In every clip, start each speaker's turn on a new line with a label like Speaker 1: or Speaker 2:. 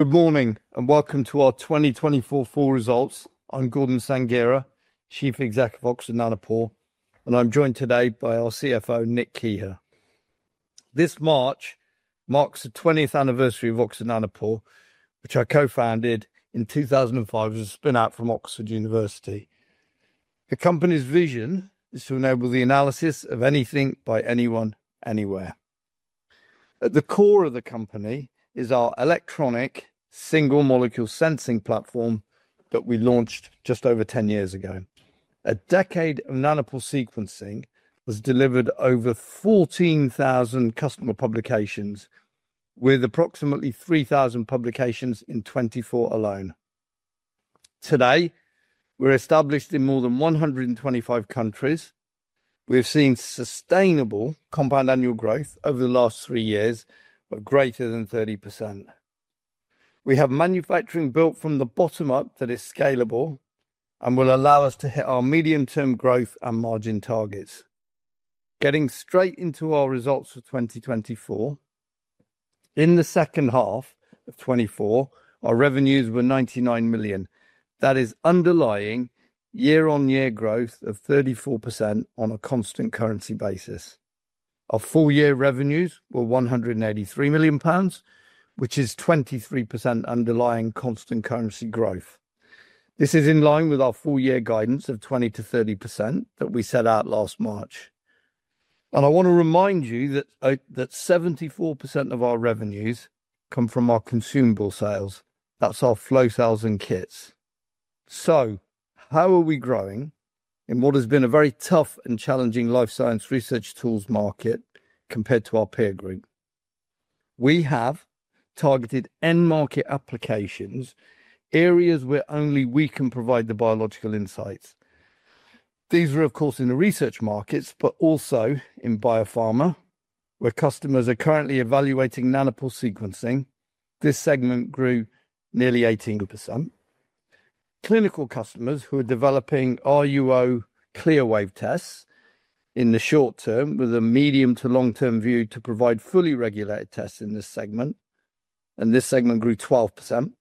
Speaker 1: Good morning and welcome to our 2024 full results. I'm Gordon Sanghera, Chief Executive of Oxford Nanopore, and I'm joined today by our CFO, Nick Keher. This March marks the 20th anniversary of Oxford Nanopore, which I co-founded in 2005 as a spin-out from Oxford University. The company's vision is to enable the analysis of anything by anyone, anywhere. At the core of the company is our electronic single molecule sensing platform that we launched just over 10 years ago. A decade of Nanopore sequencing has delivered over 14,000 customer publications, with approximately 3,000 publications in 2024 alone. Today, we're established in more than 125 countries. We have seen sustainable compound annual growth over the last three years, but greater than 30%. We have manufacturing built from the bottom up that is scalable and will allow us to hit our medium-term growth and margin targets. Getting straight into our results for 2024, in the second half of 2024, our revenues were £99 million. That is underlying year-on-year growth of 34% on a constant currency basis. Our full year revenues were £183 million, which is 23% underlying constant currency growth. This is in line with our full year guidance of 20%-30% that we set out last March. And I want to remind you that 74% of our revenues come from our consumable sales. That's our flow cells and kits. So how are we growing in what has been a very tough and challenging life science research tools market compared to our peer group? We have targeted end market applications, areas where only we can provide the biological insights. These are, of course, in the research markets, but also in biopharma, where customers are currently evaluating Nanopore sequencing. This segment grew nearly 18%. Clinical customers who are developing RUO CLIA-waived tests in the short term, with a medium to long-term view to provide fully regulated tests in this segment. And this segment grew 12%.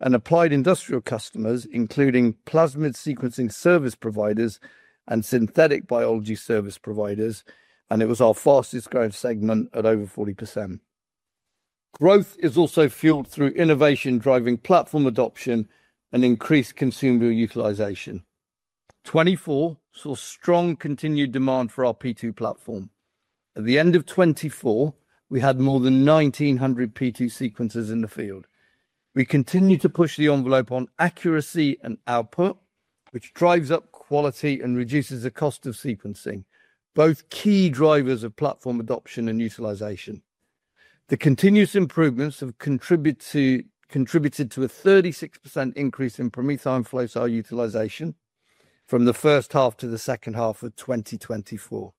Speaker 1: And applied industrial customers, including plasmid sequencing service providers and synthetic biology service providers. And it was our fastest growing segment at over 40%. Growth is also fueled through innovation driving platform adoption and increased customer utilization. 2024 saw strong continued demand for our P2 platform. At the end of 2024, we had more than 1,900 P2 sequencers in the field. We continue to push the envelope on accuracy and output, which drives up quality and reduces the cost of sequencing, both key drivers of platform adoption and utilization. The continuous improvements have contributed to a 36% increase in PromethION flow cell utilization from the first half to the second half of 2024.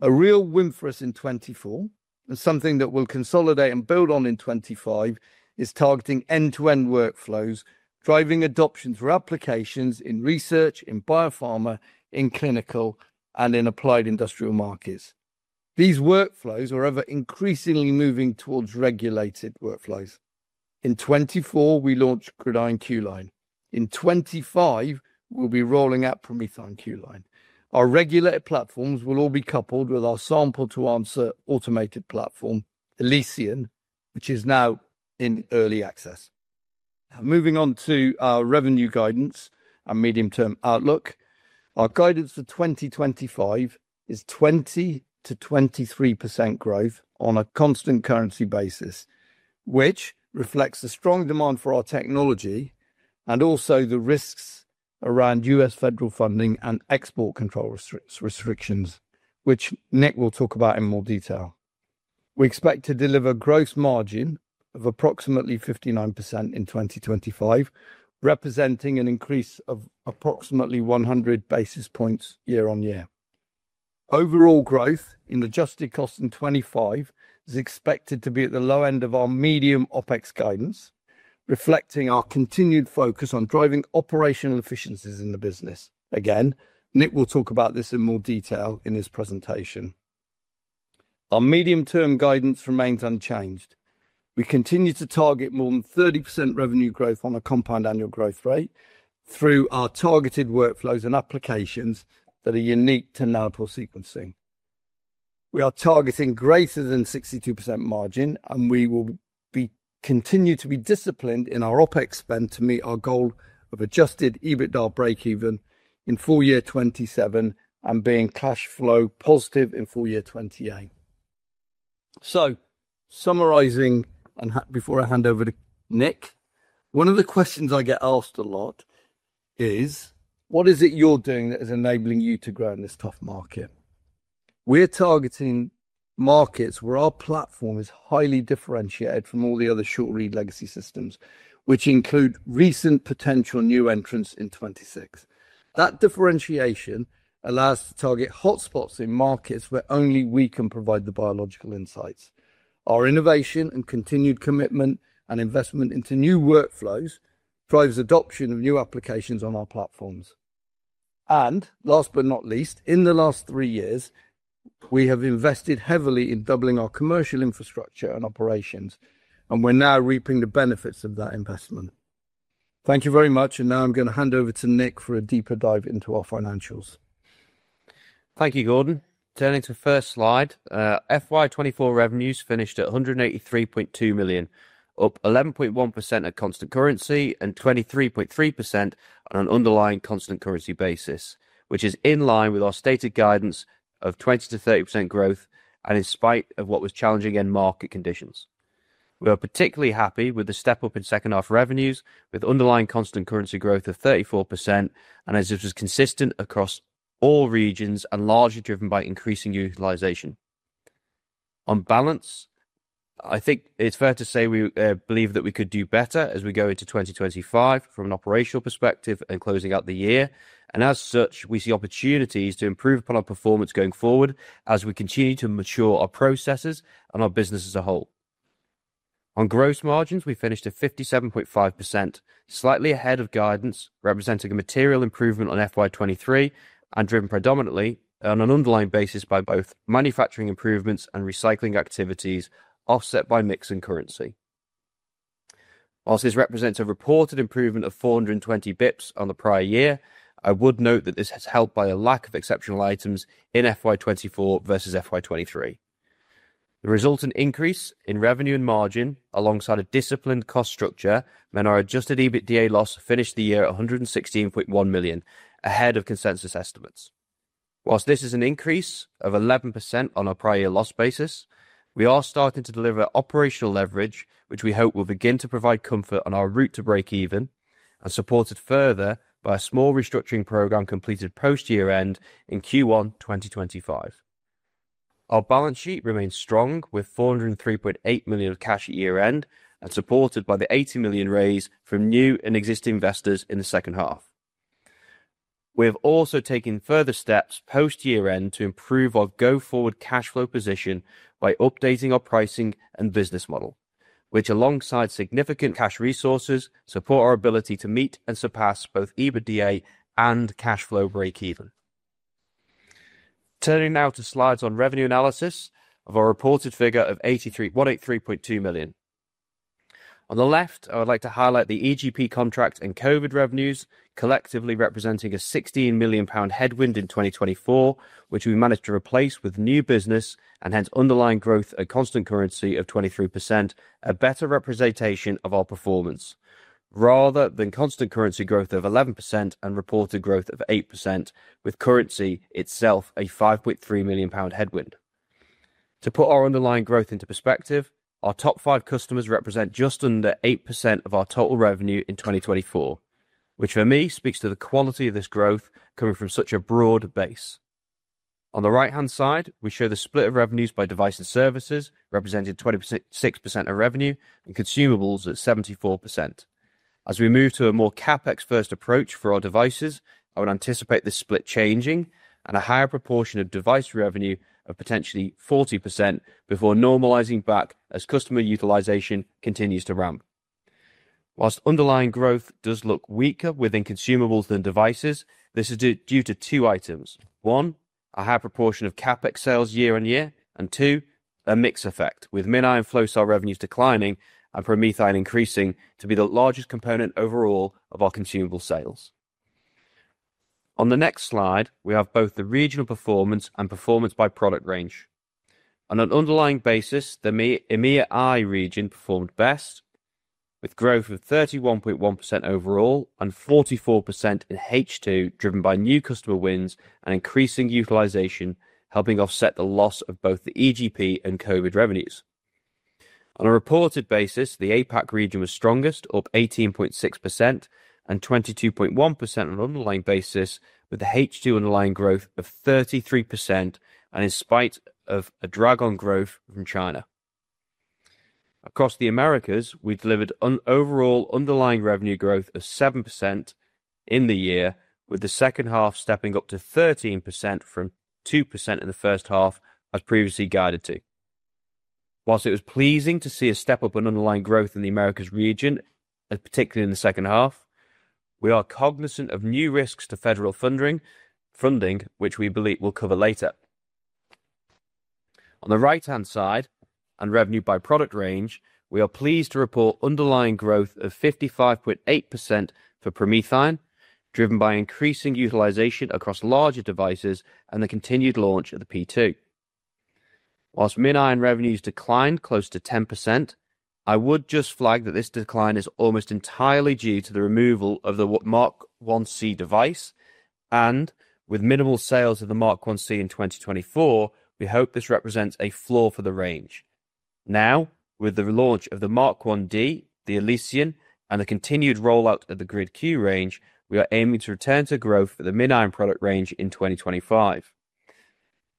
Speaker 1: A real win for us in 2024, and something that we'll consolidate and build on in 2025, is targeting end-to-end workflows, driving adoptions for applications in research, in biopharma, in clinical, and in applied industrial markets. These workflows are ever increasingly moving towards regulated workflows. In 2024, we launched GridION Q-Line. In 2025, we'll be rolling out PromethION Q-Line. Our regulated platforms will all be coupled with our sample-to-answer automated platform, ElysION, which is now in early access. Now, moving on to our revenue guidance and medium-term outlook. Our guidance for 2025 is 20%-23% growth on a constant currency basis, which reflects the strong demand for our technology and also the risks around US federal funding and export control restrictions, which Nick will talk about in more detail. We expect to deliver gross margin of approximately 59% in 2025, representing an increase of approximately 100 basis points year-on-year. Overall growth in adjusted costs in 2025 is expected to be at the low end of our medium-term OpEx guidance, reflecting our continued focus on driving operational efficiencies in the business. Again, Nick will talk about this in more detail in his presentation. Our medium-term guidance remains unchanged. We continue to target more than 30% revenue growth on a compound annual growth rate through our targeted workflows and applications that are unique to Nanopore sequencing. We are targeting greater than 62% margin, and we will continue to be disciplined in our OpEx spend to meet our goal of adjusted EBITDA break-even in full year 2027 and being cash flow positive in full year 2028. Summarizing before I hand over to Nick, one of the questions I get asked a lot is, what is it you're doing that is enabling you to grow in this tough market? We're targeting markets where our platform is highly differentiated from all the other short-read legacy systems, which include recent potential new entrants in 2026. That differentiation allows us to target hotspots in markets where only we can provide the biological insights. Our innovation and continued commitment and investment into new workflows drives adoption of new applications on our platforms. And last but not least, in the last three years, we have invested heavily in doubling our commercial infrastructure and operations, and we're now reaping the benefits of that investment. Thank you very much. And now I'm going to hand over to Nick for a deeper dive into our financials.
Speaker 2: Thank you, Gordon. Turning to the first slide, FY 2024 revenues finished at 183.2 million, up 11.1% at constant currency and 23.3% on an underlying constant currency basis, which is in line with our stated guidance of 20%-30% growth and in spite of what was challenging in market conditions. We are particularly happy with the step up in second-half revenues with underlying constant currency growth of 34%, and as this was consistent across all regions and largely driven by increasing utilization. On balance, I think it's fair to say we believe that we could do better as we go into 2025 from an operational perspective and closing out the year. And as such, we see opportunities to improve upon our performance going forward as we continue to mature our processes and our business as a whole. On gross margins, we finished at 57.5%, slightly ahead of guidance, representing a material improvement on FY 2023 and driven predominantly on an underlying basis by both manufacturing improvements and recycling activities offset by mix and currency. While this represents a reported improvement of 420 basis points on the prior year, I would note that this has helped by a lack of exceptional items in FY 2024 versus FY 2023. The resultant increase in revenue and margin alongside a disciplined cost structure and our adjusted EBITDA loss finished the year at 116.1 million, ahead of consensus estimates. While this is an increase of 11% on a prior year loss basis, we are starting to deliver operational leverage, which we hope will begin to provide comfort on our route to break even and supported further by a small restructuring program completed post year-end in Q1 2025. Our balance sheet remains strong with 403.8 million cash at year-end and supported by the 80 million raise from new and existing investors in the second half. We have also taken further steps post year-end to improve our go-forward cash flow position by updating our pricing and business model, which alongside significant cash resources support our ability to meet and surpass both EBITDA and cash flow break-even. Turning now to slides on revenue analysis of our reported figure of 183.2 million. On the left, I would like to highlight the EGP contract and COVID revenues collectively representing a 16 million pound headwind in 2024, which we managed to replace with new business and hence underlying growth at constant currency of 23%, a better representation of our performance, rather than constant currency growth of 11% and reported growth of 8%, with currency itself a 5.3 million pound headwind. To put our underlying growth into perspective, our top five customers represent just under 8% of our total revenue in 2024, which for me speaks to the quality of this growth coming from such a broad base. On the right-hand side, we show the split of revenues by device and services representing 26% of revenue and consumables at 74%. As we move to a more CapEx-first approach for our devices, I would anticipate this split changing and a higher proportion of device revenue of potentially 40% before normalizing back as customer utilization continues to ramp. While underlying growth does look weaker within consumables than devices, this is due to two items. One, a high proportion of CapEx sales year-on-year, and two, a mix effect with MinION and flow cell revenues declining and PromethION increasing to be the largest component overall of our consumable sales. On the next slide, we have both the regional performance and performance by product range. On an underlying basis, the EMEA region performed best with growth of 31.1% overall and 44% in H2 driven by new customer wins and increasing utilization, helping offset the loss of both the EGP and COVID revenues. On a reported basis, the APAC region was strongest, up 18.6% and 22.1% on an underlying basis, with the H2 underlying growth of 33% and in spite of a drag on growth from China. Across the Americas, we delivered an overall underlying revenue growth of 7% in the year, with the second half stepping up to 13% from 2% in the first half, as previously guided to. While it was pleasing to see a step up in underlying growth in the Americas region, particularly in the second half, we are cognizant of new risks to federal funding, which we believe we'll cover later. On the right-hand side and revenue by product range, we are pleased to report underlying growth of 55.8% for PromethION, driven by increasing utilization across larger devices and the continued launch of the P2. While MinION revenues declined close to 10%, I would just flag that this decline is almost entirely due to the removal of the Mk1C device, and with minimal sales of the Mk1C in 2024, we hope this represents a low for the range. Now, with the launch of the Mk1D, the ElysION, and the continued rollout of the GridION Q-Line, we are aiming to return to growth for the MinION product range in 2025.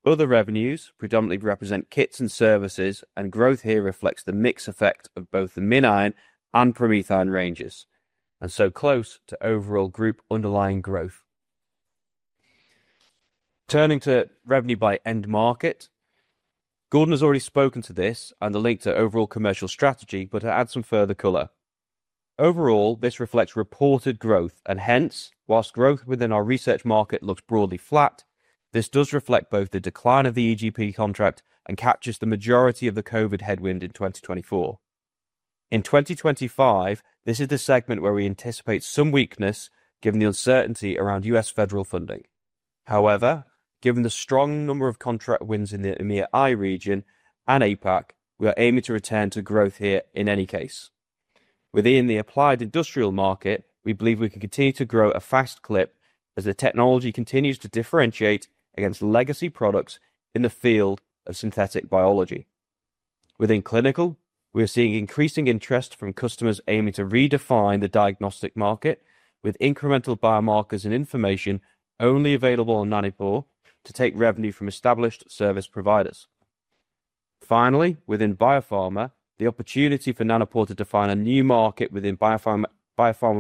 Speaker 2: Other revenues predominantly represent kits and services, and growth here reflects the mix effect of both the MinION and PromethION ranges, and so close to overall group underlying growth. Turning to revenue by end market, Gordon has already spoken to this and the link to overall commercial strategy, but to add some further color. Overall, this reflects reported growth, and hence, whilst growth within our research market looks broadly flat, this does reflect both the decline of the EGP contract and captures the majority of the COVID headwind in 2024. In 2025, this is the segment where we anticipate some weakness given the uncertainty around U.S. federal funding. However, given the strong number of contract wins in the EMEA region and APAC, we are aiming to return to growth here in any case. Within the applied industrial market, we believe we can continue to grow at a fast clip as the technology continues to differentiate against legacy products in the field of synthetic biology. Within clinical, we are seeing increasing interest from customers aiming to redefine the diagnostic market with incremental biomarkers and information only available on Nanopore to take revenue from established service providers. Finally, within biopharma, the opportunity for Nanopore to define a new market within biopharma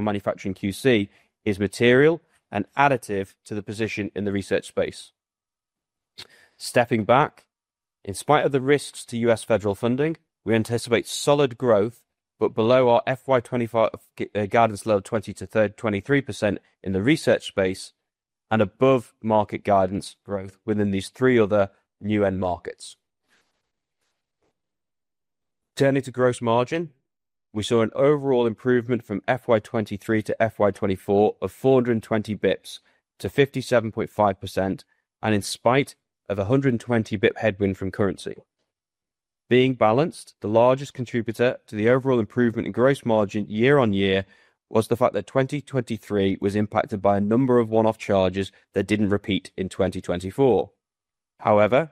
Speaker 2: manufacturing QC is material and additive to the position in the research space. Stepping back, in spite of the risks to U.S. federal funding, we anticipate solid growth, but below our FY25 guidance level of 20%-23% in the research space and above market guidance growth within these three other new end markets. Turning to gross margin, we saw an overall improvement from FY23 to FY24 of 420 basis points to 57.5%, and in spite of a 120 basis point headwind from currency. Being balanced, the largest contributor to the overall improvement in gross margin year-on-year was the fact that 2023 was impacted by a number of one-off charges that didn't repeat in 2024. However,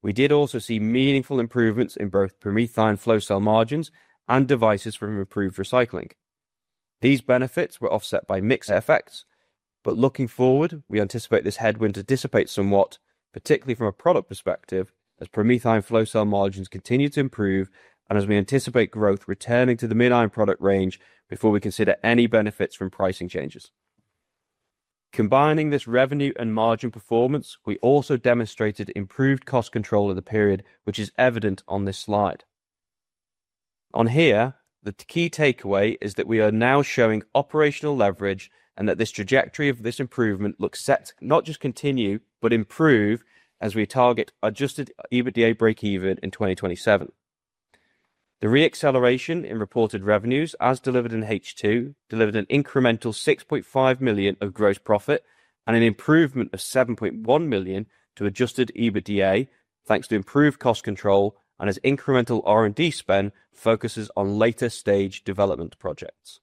Speaker 2: we did also see meaningful improvements in both PromethION flow cell margins and devices from improved recycling. These benefits were offset by mix effects, but looking forward, we anticipate this headwind to dissipate somewhat, particularly from a product perspective, as PromethION flow cell margins continue to improve and as we anticipate growth returning to the MinION product range before we consider any benefits from pricing changes. Combining this revenue and margin performance, we also demonstrated improved cost control of the period, which is evident on this slide. On here, the key takeaway is that we are now showing operational leverage and that this trajectory of this improvement looks set not just continue, but improve as we target Adjusted EBITDA break-even in 2027. The re-acceleration in reported revenues as delivered in H2 delivered an incremental £6.5 million of gross profit and an improvement of £7.1 million to Adjusted EBITDA, thanks to improved cost control and as incremental R&D spend focuses on later stage development projects.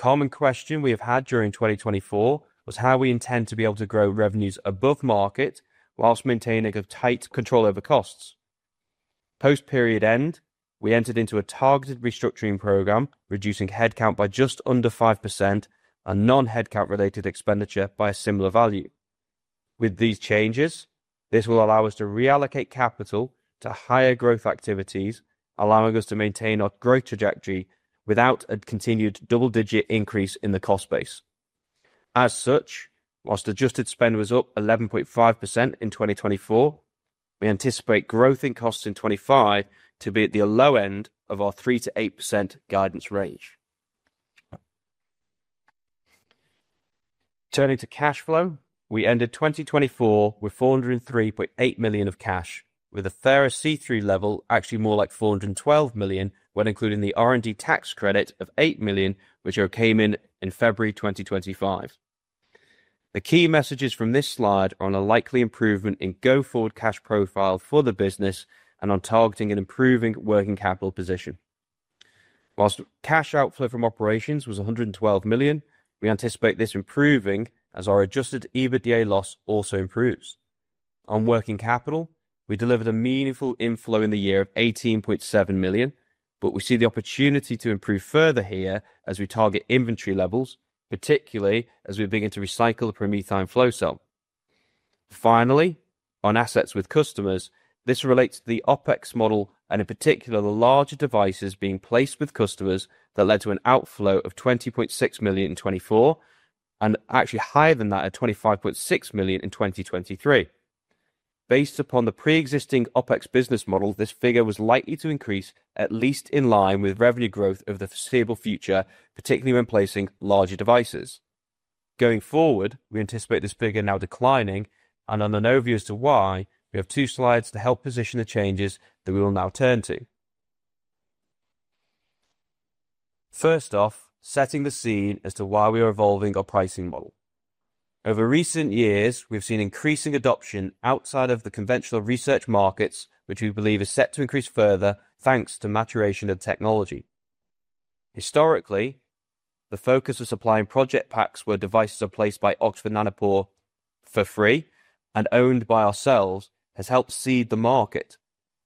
Speaker 2: A common question we have had during 2024 was how we intend to be able to grow revenues above market whilst maintaining a tight control over costs. Post period end, we entered into a targeted restructuring program, reducing headcount by just under 5% and non-headcount related expenditure by a similar value. With these changes, this will allow us to reallocate capital to higher growth activities, allowing us to maintain our growth trajectory without a continued double-digit increase in the cost base. As such, whilst adjusted spend was up 11.5% in 2024, we anticipate growth in costs in 2025 to be at the low end of our 3%-8% guidance range. Turning to cash flow, we ended 2024 with 403.8 million of cash, with a fairer cash level actually more like 412 million when including the R&D tax credit of 8 million, which came in in February 2025. The key messages from this slide are on a likely improvement in go-forward cash profile for the business and on targeting an improving working capital position. Whilst cash outflow from operations was 112 million, we anticipate this improving as our adjusted EBITDA loss also improves. On working capital, we delivered a meaningful inflow in the year of 18.7 million, but we see the opportunity to improve further here as we target inventory levels, particularly as we begin to recycle the PromethION flow cell. Finally, on assets with customers, this relates to the OPEX model and in particular the larger devices being placed with customers that led to an outflow of 20.6 million in 2024 and actually higher than that at 25.6 million in 2023. Based upon the pre-existing OPEX business model, this figure was likely to increase at least in line with revenue growth of the foreseeable future, particularly when placing larger devices. Going forward, we anticipate this figure now declining, and on an overview as to why, we have two slides to help position the changes that we will now turn to. First off, setting the scene as to why we are evolving our pricing model. Over recent years, we've seen increasing adoption outside of the conventional research markets, which we believe is set to increase further thanks to maturation of technology. Historically, the focus of supplying project packs where devices are placed by Oxford Nanopore for free and owned by ourselves has helped seed the market,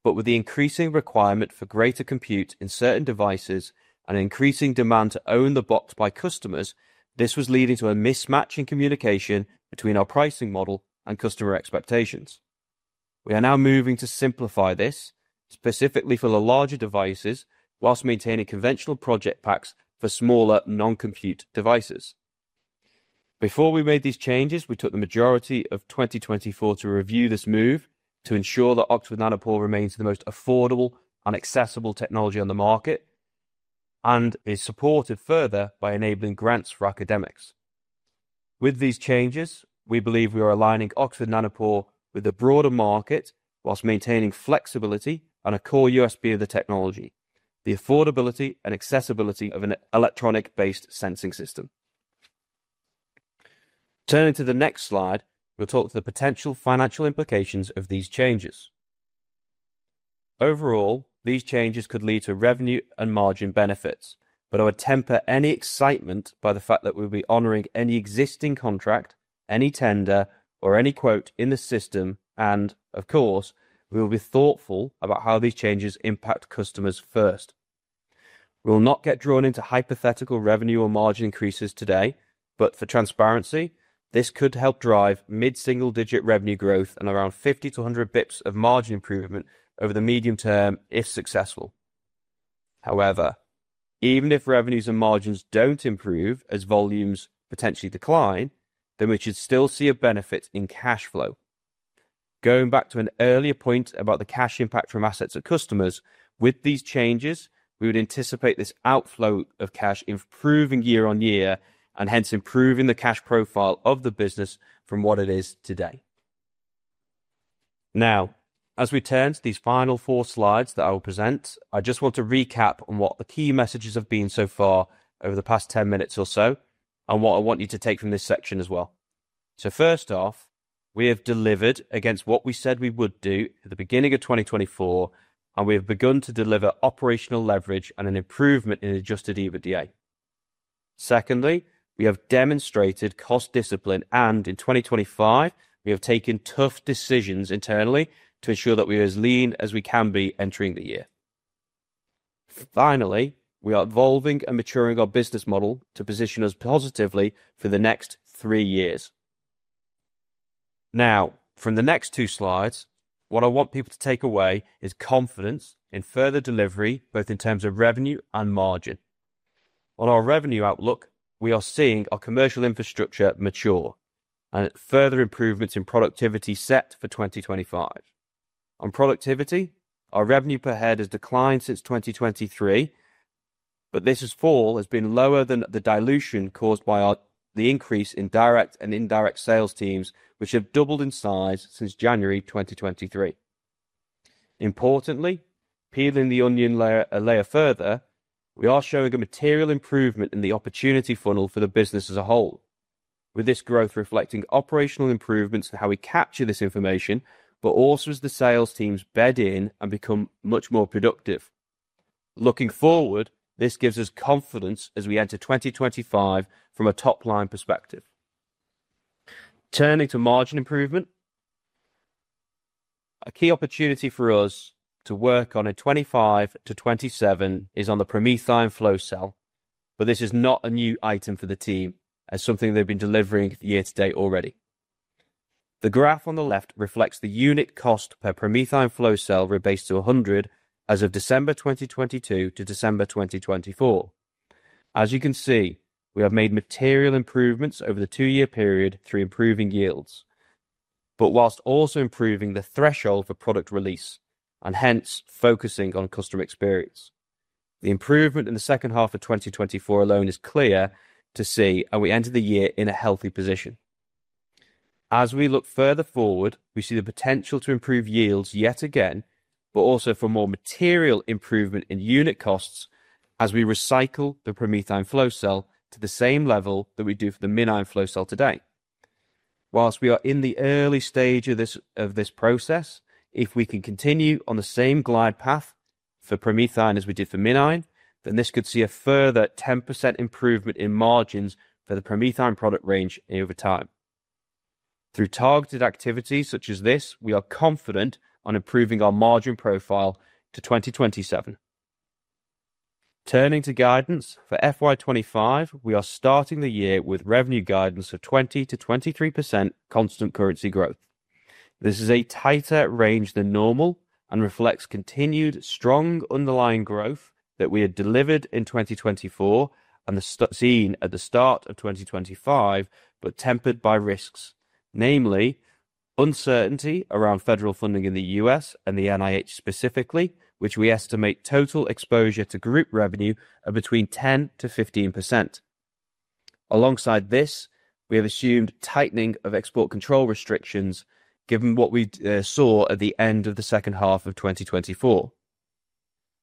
Speaker 2: but with the increasing requirement for greater compute in certain devices and increasing demand to own the box by customers, this was leading to a mismatch in communication between our pricing model and customer expectations. We are now moving to simplify this specifically for the larger devices whilst maintaining conventional project packs for smaller non-compute devices. Before we made these changes, we took the majority of 2024 to review this move to ensure that Oxford Nanopore remains the most affordable and accessible technology on the market and is supported further by enabling grants for academics. With these changes, we believe we are aligning Oxford Nanopore with the broader market while maintaining flexibility and a core USP of the technology, the affordability and accessibility of an electronic-based sensing system. Turning to the next slide, we'll talk to the potential financial implications of these changes. Overall, these changes could lead to revenue and margin benefits, but I would temper any excitement by the fact that we'll be honoring any existing contract, any tender, or any quote in the system, and of course, we will be thoughtful about how these changes impact customers first. We will not get drawn into hypothetical revenue or margin increases today, but for transparency, this could help drive mid-single-digit revenue growth and around 50 to 100 basis points of margin improvement over the medium term if successful. However, even if revenues and margins don't improve as volumes potentially decline, then we should still see a benefit in cash flow. Going back to an earlier point about the cash impact from assets at customers, with these changes, we would anticipate this outflow of cash improving year-on-year and hence improving the cash profile of the business from what it is today. Now, as we turn to these final four slides that I will present, I just want to recap on what the key messages have been so far over the past 10 minutes or so and what I want you to take from this section as well. So first off, we have delivered against what we said we would do at the beginning of 2024, and we have begun to deliver operational leverage and an improvement in Adjusted EBITDA. Secondly, we have demonstrated cost discipline, and in 2025, we have taken tough decisions internally to ensure that we are as lean as we can be entering the year. Finally, we are evolving and maturing our business model to position us positively for the next three years. Now, from the next two slides, what I want people to take away is confidence in further delivery, both in terms of revenue and margin. On our revenue outlook, we are seeing our commercial infrastructure mature and further improvements in productivity set for 2025. On productivity, our revenue per head has declined since 2023, but this fall has been lower than the dilution caused by the increase in direct and indirect sales teams, which have doubled in size since January 2023. Importantly, peeling the onion layer a layer further, we are showing a material improvement in the opportunity funnel for the business as a whole, with this growth reflecting operational improvements in how we capture this information, but also as the sales teams bed in and become much more productive. Looking forward, this gives us confidence as we enter 2025 from a top-line perspective. Turning to margin improvement, a key opportunity for us to work on in 2025 to 2027 is on the PromethION Flow Cell, but this is not a new item for the team as something they've been delivering year to date already. The graph on the left reflects the unit cost per PromethION Flow Cell rebased to 100 as of December 2022 to December 2024. As you can see, we have made material improvements over the two-year period through improving yields, but whilst also improving the threshold for product release and hence focusing on customer experience. The improvement in the second half of 2024 alone is clear to see, and we enter the year in a healthy position. As we look further forward, we see the potential to improve yields yet again, but also for more material improvement in unit costs as we recycle the PromethION Flow Cell to the same level that we do for the MinION flow cell today. While we are in the early stage of this process, if we can continue on the same glide path for PromethION as we did for MinION, then this could see a further 10% improvement in margins for the PromethION product range over time. Through targeted activities such as this, we are confident on improving our margin profile to 2027. Turning to guidance for FY25, we are starting the year with revenue guidance of 20%-23% constant currency growth. This is a tighter range than normal and reflects continued strong underlying growth that we had delivered in 2024 and we've seen at the start of 2025, but tempered by risks, namely uncertainty around federal funding in the U.S. and the NIH specifically, which we estimate total exposure to group revenue of between 10%-15%. Alongside this, we have assumed tightening of export control restrictions given what we saw at the end of the second half of 2024.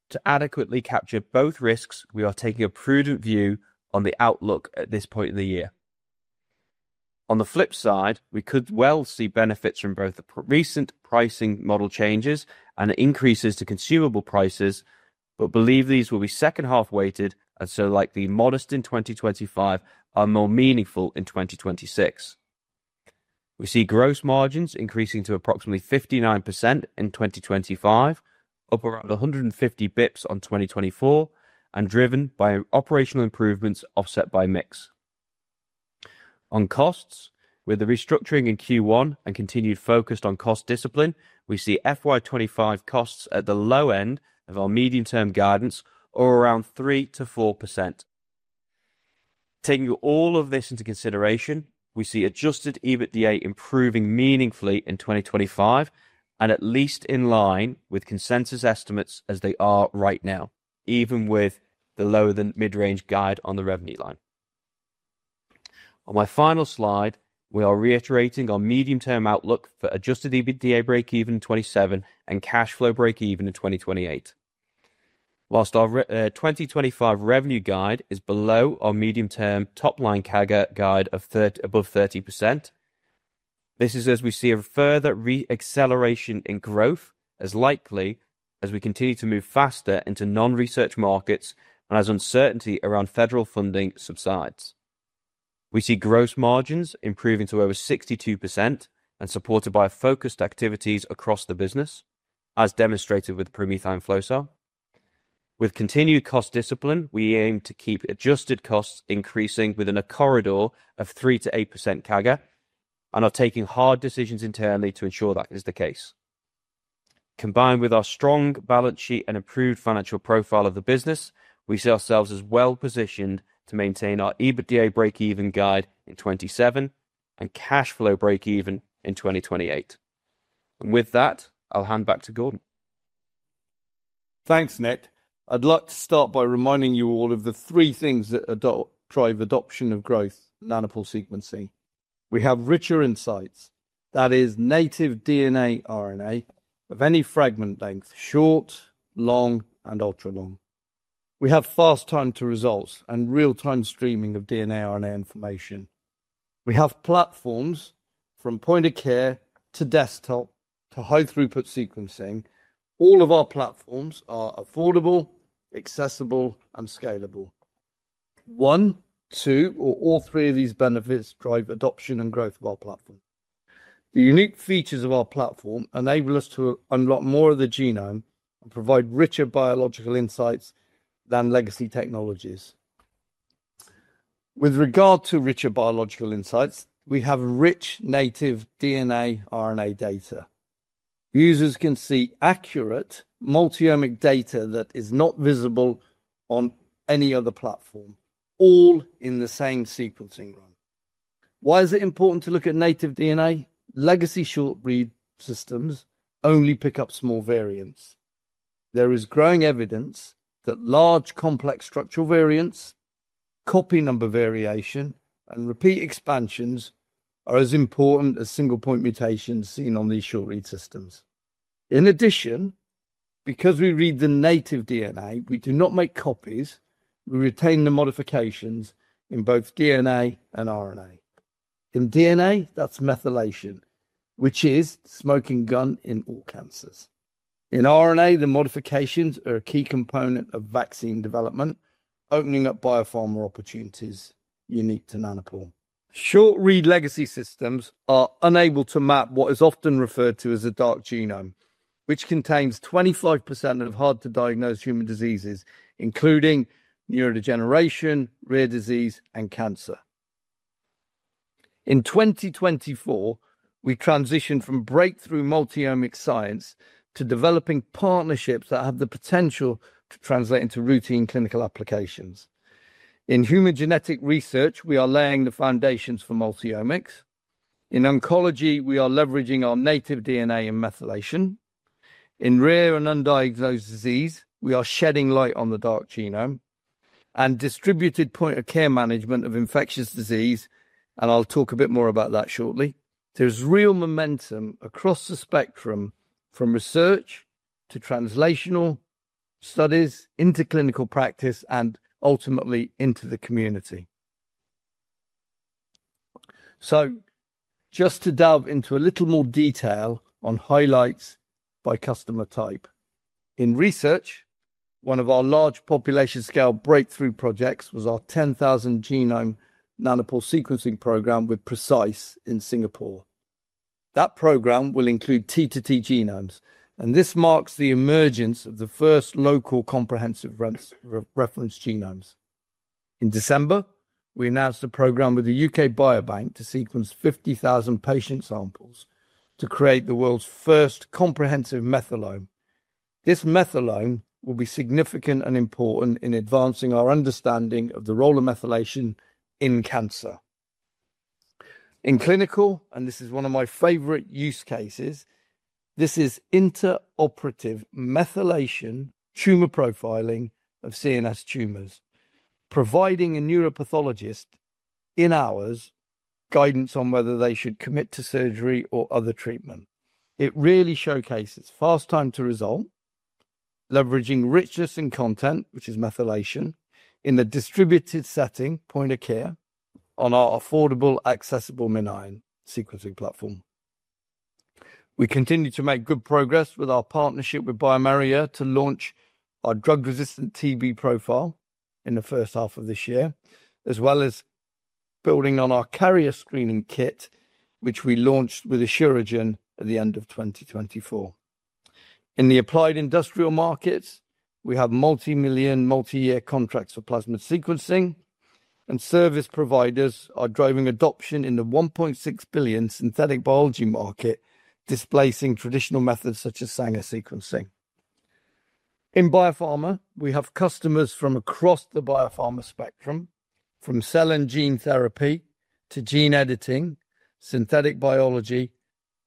Speaker 2: To adequately capture both risks, we are taking a prudent view on the outlook at this point in the year. On the flip side, we could well see benefits from both the recent pricing model changes and increases to consumable prices, but believe these will be second half weighted and so likely modest in 2025 and more meaningful in 2026. We see gross margins increasing to approximately 59% in 2025, up around 150 basis points on 2024, and driven by operational improvements offset by mix. On costs, with the restructuring in Q1 and continued focus on cost discipline, we see FY25 costs at the low end of our medium-term guidance or around 3% to 4%. Taking all of this into consideration, we see Adjusted EBITDA improving meaningfully in 2025 and at least in line with consensus estimates as they are right now, even with the lower than mid-range guide on the revenue line. On my final slide, we are reiterating our medium-term outlook for Adjusted EBITDA break-even in 2027 and cash flow break-even in 2028. Whilst our 2025 revenue guide is below our medium-term top-line CAGR guide of above 30%, this is as we see a further re-acceleration in growth as likely as we continue to move faster into non-research markets and as uncertainty around federal funding subsides. We see gross margins improving to over 62% and supported by focused activities across the business, as demonstrated with the PromethION flow cell. With continued cost discipline, we aim to keep adjusted costs increasing within a corridor of 3%-8% CAGR and are taking hard decisions internally to ensure that is the case. Combined with our strong balance sheet and improved financial profile of the business, we see ourselves as well positioned to maintain our EBITDA break-even guide in 2027 and cash flow break-even in 2028. With that, I'll hand back to Gordon.
Speaker 1: Thanks, Nick. I'd like to start by reminding you all of the three things that drive adoption of growth: Nanopore Sequencing. We have richer insights. That is native DNA/RNA of any fragment length: short, long, and ultra-long. We have fast time to results and real-time streaming of DNA/RNA information. We have platforms from point of care to desktop to high-throughput sequencing. All of our platforms are affordable, accessible, and scalable. One, two, or all three of these benefits drive adoption and growth of our platform. The unique features of our platform enable us to unlock more of the genome and provide richer biological insights than legacy technologies. With regard to richer biological insights, we have rich native DNA RNA data. Users can see accurate multi-omics data that is not visible on any other platform, all in the same sequencing run. Why is it important to look at native DNA? Legacy short-read systems only pick up small variants. There is growing evidence that large complex structural variants, copy number variation, and repeat expansions are as important as single-point mutations seen on these short-read systems. In addition, because we read the native DNA, we do not make copies. We retain the modifications in both DNA and RNA. In DNA, that's methylation, which is the smoking gun in all cancers. In RNA, the modifications are a key component of vaccine development, opening up biopharma opportunities unique to Nanopore. Short-read legacy systems are unable to map what is often referred to as a dark genome, which contains 25% of hard-to-diagnose human diseases, including neurodegeneration, rare disease, and cancer. In 2024, we transitioned from breakthrough multi-omic science to developing partnerships that have the potential to translate into routine clinical applications. In human genetic research, we are laying the foundations for multi-omics. In oncology, we are leveraging our native DNA in methylation. In rare and undiagnosed disease, we are shedding light on the dark genome and distributed point of care management of infectious disease, and I'll talk a bit more about that shortly. There's real momentum across the spectrum from research to translational studies into clinical practice and ultimately into the community. Just to delve into a little more detail on highlights by customer type. In research, one of our large population-scale breakthrough projects was our 10,000-genome Nanopore Sequencing Program with PRECISE in Singapore. That program will include T2T genomes, and this marks the emergence of the first local comprehensive reference genomes. In December, we announced a program with the UK Biobank to sequence 50,000 patient samples to create the world's first comprehensive methylome. This methylome will be significant and important in advancing our understanding of the role of methylation in cancer. In clinical, and this is one of my favorite use cases, this is intraoperative methylation tumor profiling of CNS tumors, providing a neuropathologist in hours guidance on whether they should commit to surgery or other treatment. It really showcases fast time to result, leveraging richness and content, which is methylation, in the distributed setting point of care on our affordable, accessible MinION sequencing platform. We continue to make good progress with our partnership with bioMérieux to launch our drug-resistant TB profile in the first half of this year, as well as building on our carrier screening kit, which we launched with Asuragen at the end of 2024. In the applied industrial markets, we have multi-million, multi-year contracts for plasmid sequencing, and service providers are driving adoption in the 1.6 billion synthetic biology market, displacing traditional methods such as Sanger sequencing. In biopharma, we have customers from across the biopharma spectrum, from cell and gene therapy to gene editing, synthetic biology,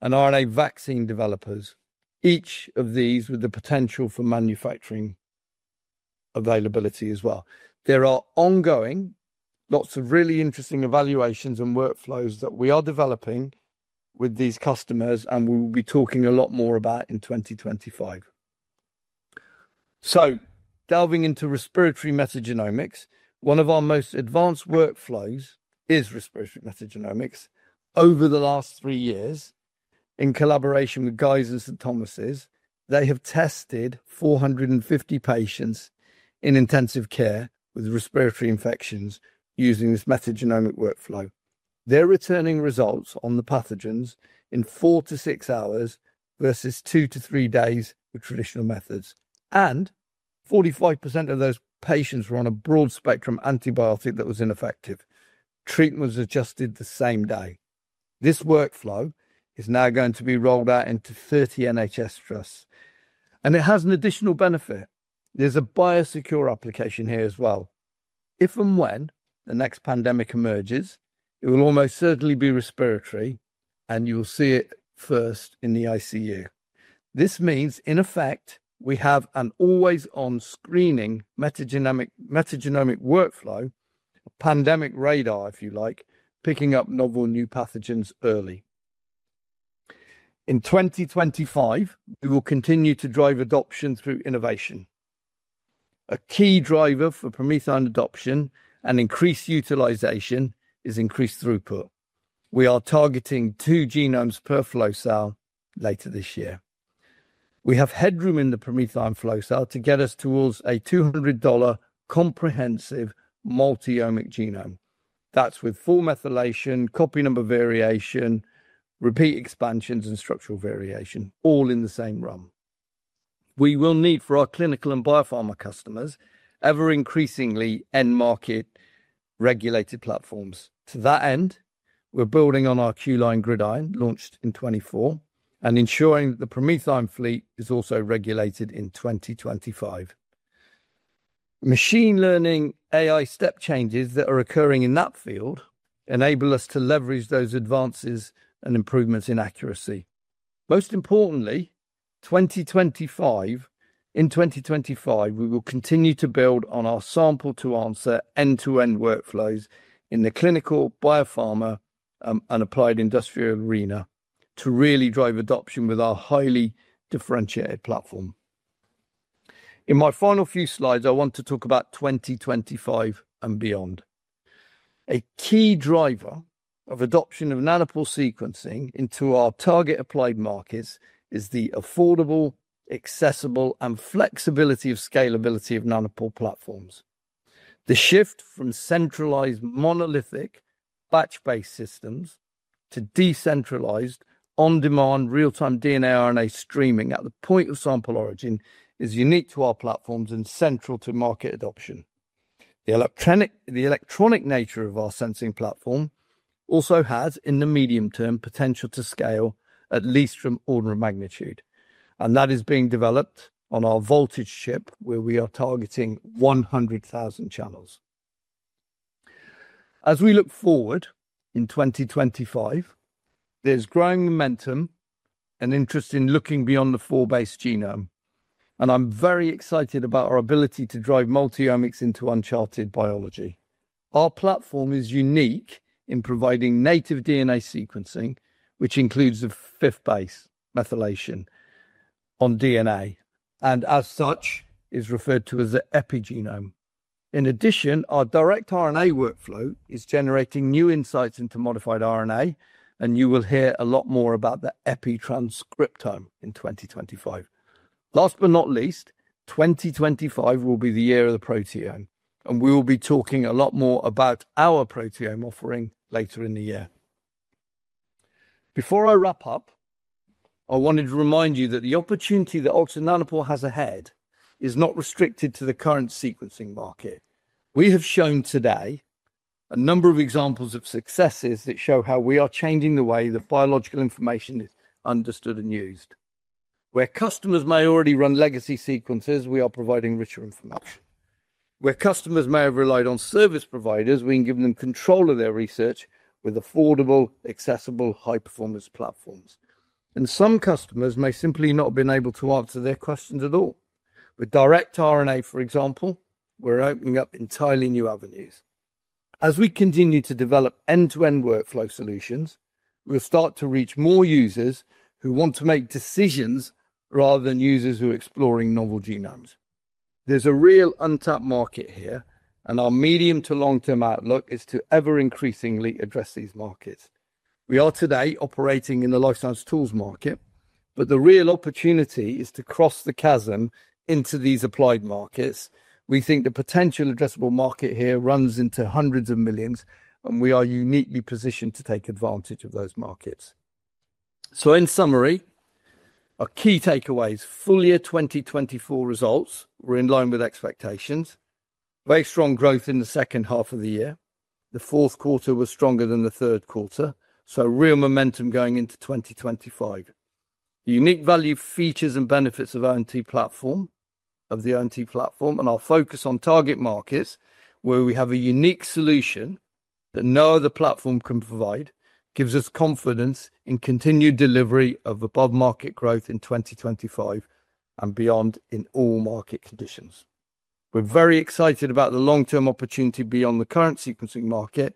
Speaker 1: and RNA vaccine developers, each of these with the potential for manufacturing availability as well. There are ongoing lots of really interesting evaluations and workflows that we are developing with these customers, and we will be talking a lot more about in 2025, so delving into respiratory metagenomics, one of our most advanced workflows is respiratory metagenomics. Over the last three years, in collaboration with Guy's and St Thomas', they have tested 450 patients in intensive care with respiratory infections using this metagenomic workflow. They're returning results on the pathogens in four to six hours versus two to three days with traditional methods, and 45% of those patients were on a broad-spectrum antibiotic that was ineffective. Treatment was adjusted the same day. This workflow is now going to be rolled out into 30 NHS trusts, and it has an additional benefit. There's a biosecure application here as well. If and when the next pandemic emerges, it will almost certainly be respiratory, and you will see it first in the ICU. This means, in effect, we have an always-on screening metagenomic workflow, a pandemic radar, if you like, picking up novel new pathogens early. In 2025, we will continue to drive adoption through innovation. A key driver for PromethION adoption and increased utilization is increased throughput. We are targeting two genomes per flow cell later this year. We have headroom in the PromethION flow cell to get us towards a $200 comprehensive multi-omic genome. That's with full methylation, copy number variation, repeat expansions, and structural variation, all in the same run. We will need for our clinical and biopharma customers ever-increasingly end-market regulated platforms. To that end, we're building on our Q-Line GridION launched in 2024 and ensuring that the PromethION fleet is also regulated in 2025. Machine learning AI step changes that are occurring in that field enable us to leverage those advances and improvements in accuracy. Most importantly, in 2025, we will continue to build on our sample-to-answer end-to-end workflows in the clinical, biopharma, and applied industrial arena to really drive adoption with our highly differentiated platform. In my final few slides, I want to talk about 2025 and beyond. A key driver of adoption of Nanopore Sequencing into our target applied markets is the affordable, accessible, and flexibility of scalability of Nanopore platforms. The shift from centralized monolithic batch-based systems to decentralized on-demand real-time DNA RNA streaming at the point of sample origin is unique to our platforms and central to market adoption. The electronic nature of our sensing platform also has, in the medium term, potential to scale at least from order of magnitude. And that is being developed on our voltage chip, where we are targeting 100,000 channels. As we look forward in 2025, there's growing momentum and interest in looking beyond the four-base genome. And I'm very excited about our ability to drive multi-omics into uncharted biology. Our platform is unique in providing native DNA sequencing, which includes the fifth base, methylation, on DNA, and as such, is referred to as the epigenome. In addition, our direct RNA workflow is generating new insights into modified RNA, and you will hear a lot more about the epitranscriptome in 2025. Last but not least, 2025 will be the year of the proteome, and we will be talking a lot more about our proteome offering later in the year. Before I wrap up, I wanted to remind you that the opportunity that Oxford Nanopore has ahead is not restricted to the current sequencing market. We have shown today a number of examples of successes that show how we are changing the way that biological information is understood and used. Where customers may already run legacy sequences, we are providing richer information. Where customers may have relied on service providers, we can give them control of their research with affordable, accessible, high-performance platforms. Some customers may simply not have been able to answer their questions at all. With Direct RNA, for example, we're opening up entirely new avenues. As we continue to develop end-to-end workflow solutions, we'll start to reach more users who want to make decisions rather than users who are exploring novel genomes. There's a real untapped market here, and our medium to long-term outlook is to ever-increasingly address these markets. We are today operating in the life science tools market, but the real opportunity is to cross the chasm into these applied markets. We think the potential addressable market here runs into hundreds of millions, and we are uniquely positioned to take advantage of those markets. So, in summary, our key takeaways: full year 2024 results were in line with expectations, very strong growth in the second half of the year. The fourth quarter was stronger than the third quarter, so real momentum going into 2025. The unique value, features, and benefits of the ONT platform, and our focus on target markets, where we have a unique solution that no other platform can provide, gives us confidence in continued delivery of above-market growth in 2025 and beyond in all market conditions. We're very excited about the long-term opportunity beyond the current sequencing market,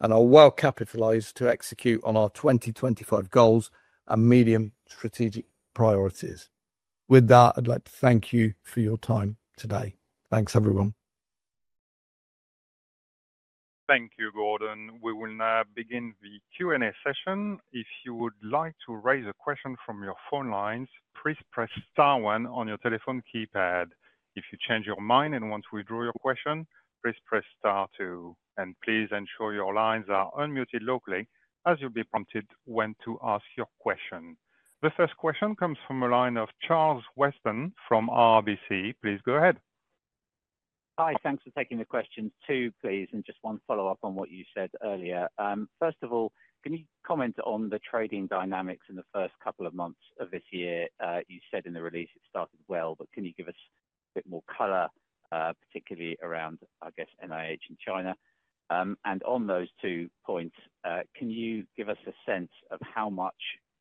Speaker 1: and are well capitalized to execute on our 2025 goals and medium strategic priorities. With that, I'd like to thank you for your time today. Thanks, everyone.
Speaker 3: Thank you, Gordon. We will now begin the Q&A session. If you would like to raise a question from your phone lines, please press star one on your telephone keypad. If you change your mind and want to withdraw your question, please press star two, and please ensure your lines are unmuted locally as you'll be prompted when to ask your question. The first question comes from a line of Charles Weston from RBC. Please go ahead.
Speaker 4: Hi, thanks for taking the questions too, please, and just one follow-up on what you said earlier. First of all, can you comment on the trading dynamics in the first couple of months of this year? You said in the release it started well, but can you give us a bit more color, particularly around, I guess, NIH and China? And on those two points, can you give us a sense of how much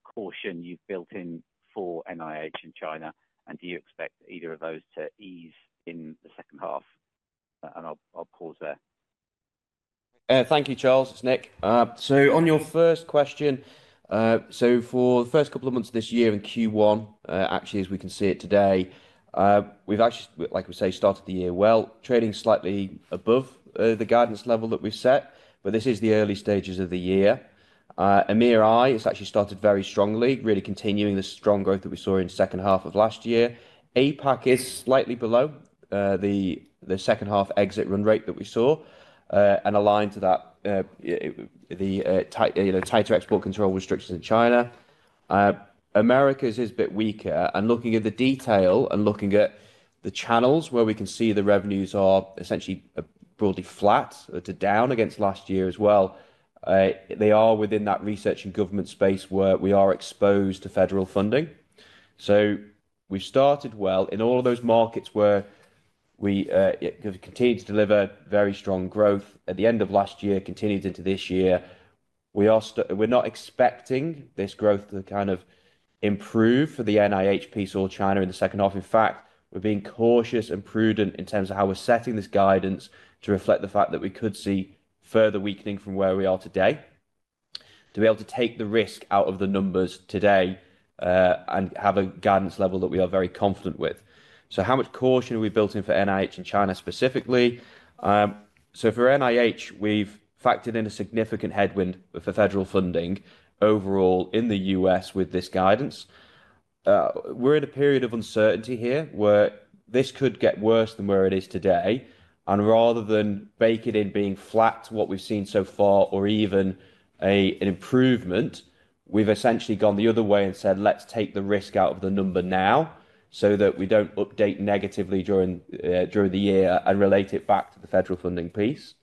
Speaker 4: caution you've built in for NIH and China? And do you expect either of those to ease in the second half? And I'll pause there.
Speaker 2: Thank you, Charles. It's Nick. So, on your first question, so for the first couple of months of this year in Q1, actually, as we can see it today, we've actually, like we say, started the year well, trading slightly above the guidance level that we've set, but this is the early stages of the year. EMEA, it's actually started very strongly, really continuing the strong growth that we saw in the second half of last year. APAC is slightly below the second-half exit run rate that we saw and aligned to that, the tighter export control restrictions in China. Americas is a bit weaker, and looking at the detail and looking at the channels where we can see the revenues are essentially broadly flat to down against last year as well, they are within that research and government space where we are exposed to federal funding. We've started well in all of those markets where we continue to deliver very strong growth at the end of last year, continued into this year. We're not expecting this growth to kind of improve for the NIH piece or China in the second half. In fact, we're being cautious and prudent in terms of how we're setting this guidance to reflect the fact that we could see further weakening from where we are today, to be able to take the risk out of the numbers today and have a guidance level that we are very confident with. So, how much caution have we built in for NIH and China specifically? So, for NIH, we've factored in a significant headwind for federal funding overall in the U.S. with this guidance. We're in a period of uncertainty here where this could get worse than where it is today. And rather than baking in being flat to what we've seen so far or even an improvement, we've essentially gone the other way and said, let's take the risk out of the number now so that we don't update negatively during the year and relate it back to the federal funding piece.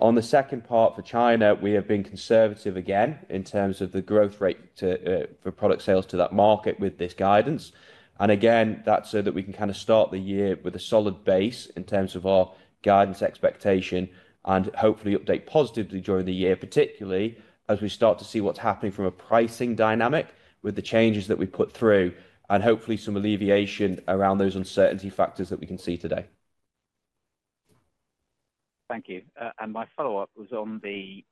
Speaker 2: On the second part for China, we have been conservative again in terms of the growth rate for product sales to that market with this guidance. And again, that's so that we can kind of start the year with a solid base in terms of our guidance expectation and hopefully update positively during the year, particularly as we start to see what's happening from a pricing dynamic with the changes that we put through and hopefully some alleviation around those uncertainty factors that we can see today.
Speaker 4: Thank you. And my follow-up was on the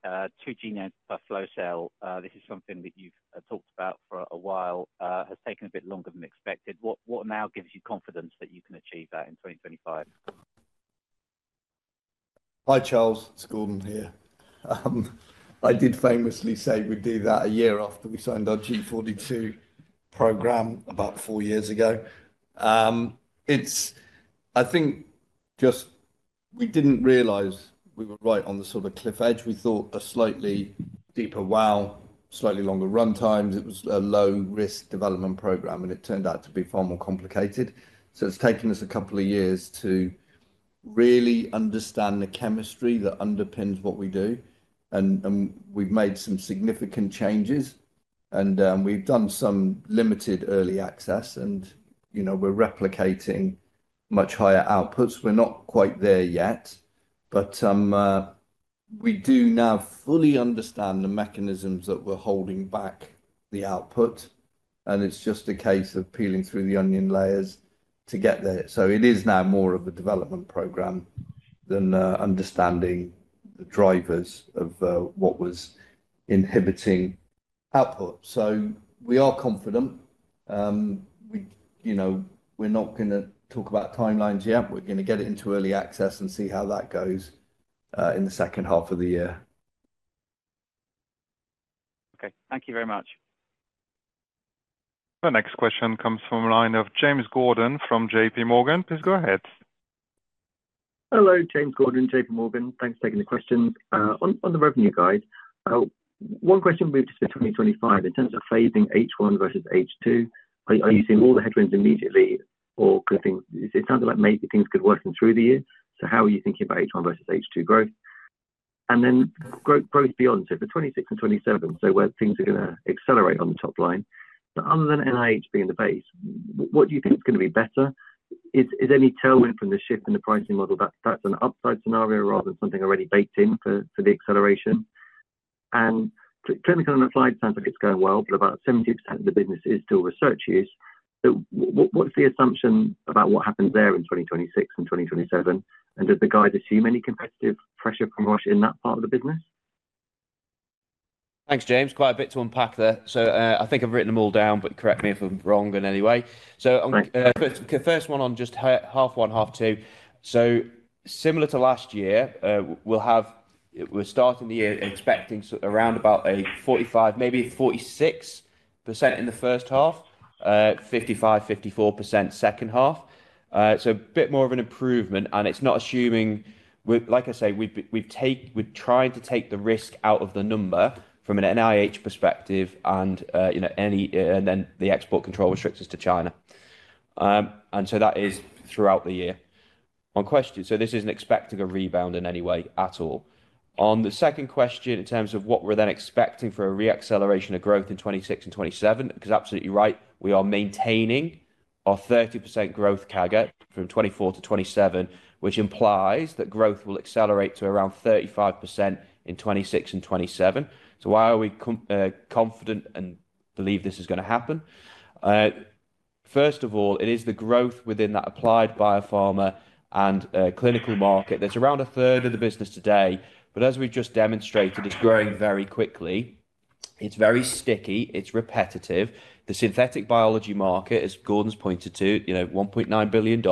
Speaker 4: two-genome flow cell. This is something that you've talked about for a while, has taken a bit longer than expected. What now gives you confidence that you can achieve that in 2025?
Speaker 1: Hi, Charles. It's Gordon here. I did famously say we'd do that a year after we signed our G42 program about four years ago. I think just we didn't realize we were right on the sort of cliff edge. We thought a slightly deeper wow, slightly longer run times. It was a low-risk development program, and it turned out to be far more complicated. It's taken us a couple of years to really understand the chemistry that underpins what we do. And we've made some significant changes, and we've done some limited early access, and we're replicating much higher outputs. We're not quite there yet, but we do now fully understand the mechanisms that were holding back the output. And it's just a case of peeling through the onion layers to get there. So, it is now more of a development program than understanding the drivers of what was inhibiting output. So, we are confident. We're not going to talk about timelines yet. We're going to get it into early access and see how that goes in the second half of the year.
Speaker 4: Okay. Thank you very much.
Speaker 3: The next question comes from a line of James Gordon from JP Morgan. Please go ahead.
Speaker 5: Hello, James Gordon, JP Morgan. Thanks for taking the question. On the revenue guide, one question moves to 2025. In terms of phasing H1 versus H2, are you seeing all the headwinds immediately, or it sounds like maybe things could work in through the year? So, how are you thinking about H1 versus H2 growth? Then growth beyond, so for 2026 and 2027, so where things are going to accelerate on the top line. Other than NIH being the base, what do you think is going to be better? Is any tailwind from the shift in the pricing model that's an upside scenario rather than something already baked in for the acceleration? Clinical and applied sounds like it's going well, but about 70% of the business is still research use. What's the assumption about what happens there in 2026 and 2027? Does the guide assume any competitive pressure from Roche in that part of the business?
Speaker 2: Thanks, James. Quite a bit to unpack there. I think I've written them all down, but correct me if I'm wrong in any way. First one on just half one, half two. So, similar to last year, we'll start in the year expecting around about a 45%, maybe 46% in the first half, 55%, 54% second half. So, a bit more of an improvement. And it's not assuming, like I say, we're trying to take the risk out of the number from an NIH perspective and then the export control restrictions to China. And so, that is throughout the year. On question, so this isn't expecting a rebound in any way at all. On the second question, in terms of what we're then expecting for a reacceleration of growth in 2026 and 2027, because absolutely right, we are maintaining our 30% growth CAGR from 2024 to 2027, which implies that growth will accelerate to around 35% in 2026 and 2027. So, why are we confident and believe this is going to happen? First of all, it is the growth within that applied biopharma and clinical market. There's around a third of the business today, but as we've just demonstrated, it's growing very quickly. It's very sticky. It's repetitive. The synthetic biology market, as Gordon's pointed to, $1.9 billion.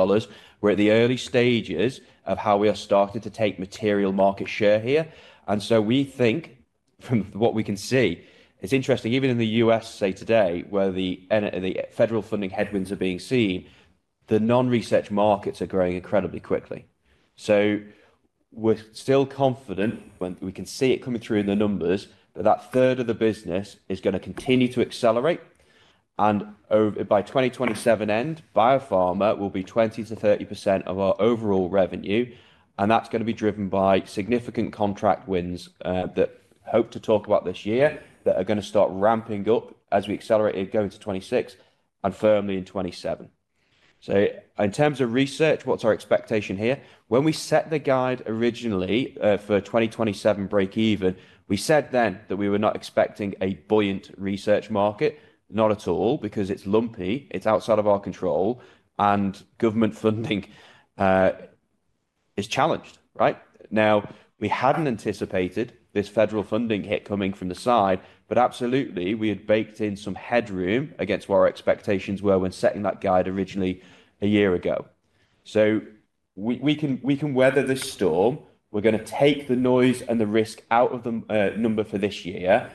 Speaker 2: We're at the early stages of how we are starting to take material market share here. And so, we think from what we can see, it's interesting, even in the U.S., say today, where the federal funding headwinds are being seen, the non-research markets are growing incredibly quickly. So, we're still confident when we can see it coming through in the numbers that that third of the business is going to continue to accelerate. By 2027 end, biopharma will be 20%-30% of our overall revenue. And that's going to be driven by significant contract wins that hope to talk about this year that are going to start ramping up as we accelerate it going to 2026 and firmly in 2027. So, in terms of research, what's our expectation here? When we set the guide originally for 2027 break even, we said then that we were not expecting a buoyant research market, not at all, because it's lumpy, it's outside of our control, and government funding is challenged, right? Now, we hadn't anticipated this federal funding hit coming from the side, but absolutely, we had baked in some headroom against what our expectations were when setting that guide originally a year ago. So, we can weather this storm. We're going to take the noise and the risk out of the number for this year.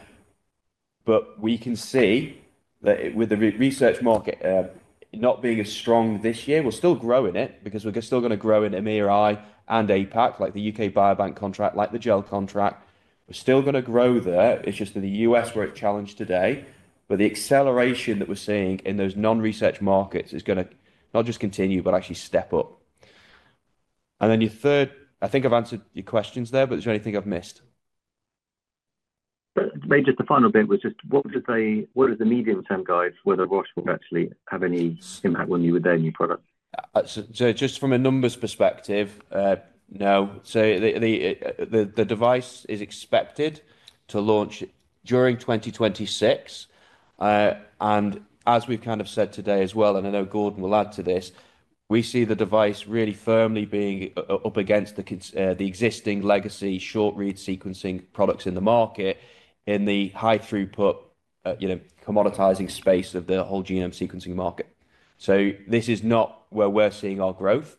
Speaker 2: But we can see that with the research market not being as strong this year, we're still growing it because we're still going to grow in EMEA and APAC, like the UK Biobank contract, like the Genomics England contract. We're still going to grow there. It's just in the U.S. where it's challenged today. But the acceleration that we're seeing in those non-research markets is going to not just continue, but actually step up. And then your third, I think I've answered your questions there, but is there anything I've missed?
Speaker 5: Maybe just the final bit was just what does the medium-term guidance [say about whether] R&D will actually have any impact [on] when you would then your product?
Speaker 2: So, just from a numbers perspective, no. So, the device is expected to launch during 2026. And as we've kind of said today as well, and I know Gordon will add to this, we see the device really firmly being up against the existing legacy short-read sequencing products in the market in the high-throughput commoditizing space of the whole genome sequencing market. So, this is not where we're seeing our growth.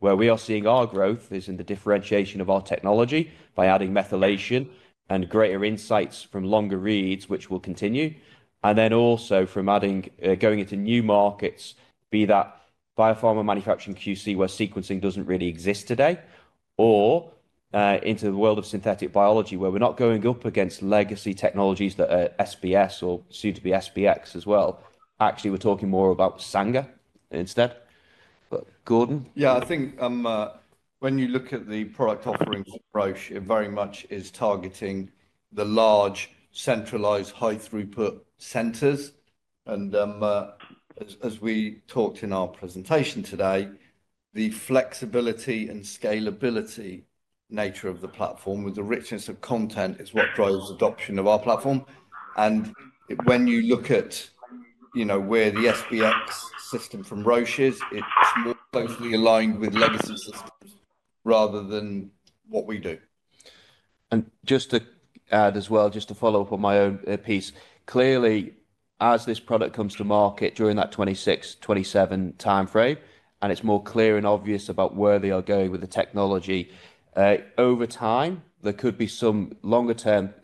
Speaker 2: Where we are seeing our growth is in the differentiation of our technology by adding methylation and greater insights from longer reads, which will continue. And then also from going into new markets, be that biopharma manufacturing QC where sequencing doesn't really exist today, or into the world of synthetic biology where we're not going up against legacy technologies that are SBS or soon to be SBX as well. Actually, we're talking more about Sanger instead. Gordon?
Speaker 1: Yeah, I think when you look at the product offering approach, it very much is targeting the large centralized high-throughput centers. And as we talked in our presentation today, the flexibility and scalability nature of the platform with the richness of content is what drives adoption of our platform. And when you look at where the SBX system from Roche is, it's more closely aligned with legacy systems rather than what we do.
Speaker 2: And just to add as well, just to follow up on my own piece, clearly, as this product comes to market during that 2026, 2027 timeframe, and it's more clear and obvious about where they are going with the technology, over time, there could be some longer-term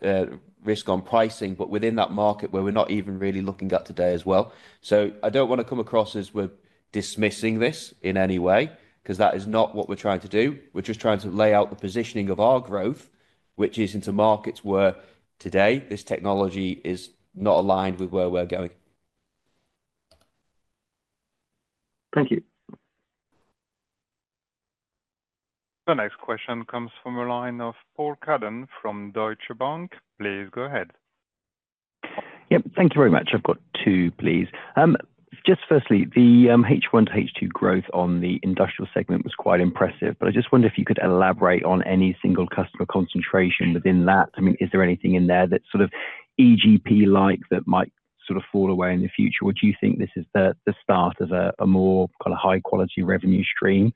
Speaker 2: risk on pricing, but within that market where we're not even really looking at today as well. So, I don't want to come across as we're dismissing this in any way, because that is not what we're trying to do. We're just trying to lay out the positioning of our growth, which is into markets where today this technology is not aligned with where we're going.
Speaker 5: Thank you.
Speaker 3: The next question comes from a line of Paul Cuddon from Deutsche Bank. Please go ahead.
Speaker 6: Yep, thank you very much. I've got two, please. Just firstly, the H1 to H2 growth on the industrial segment was quite impressive, but I just wonder if you could elaborate on any single customer concentration within that. I mean, is there anything in there that's sort of EGP-like that might sort of fall away in the future? Or do you think this is the start of a more kind of high-quality revenue stream?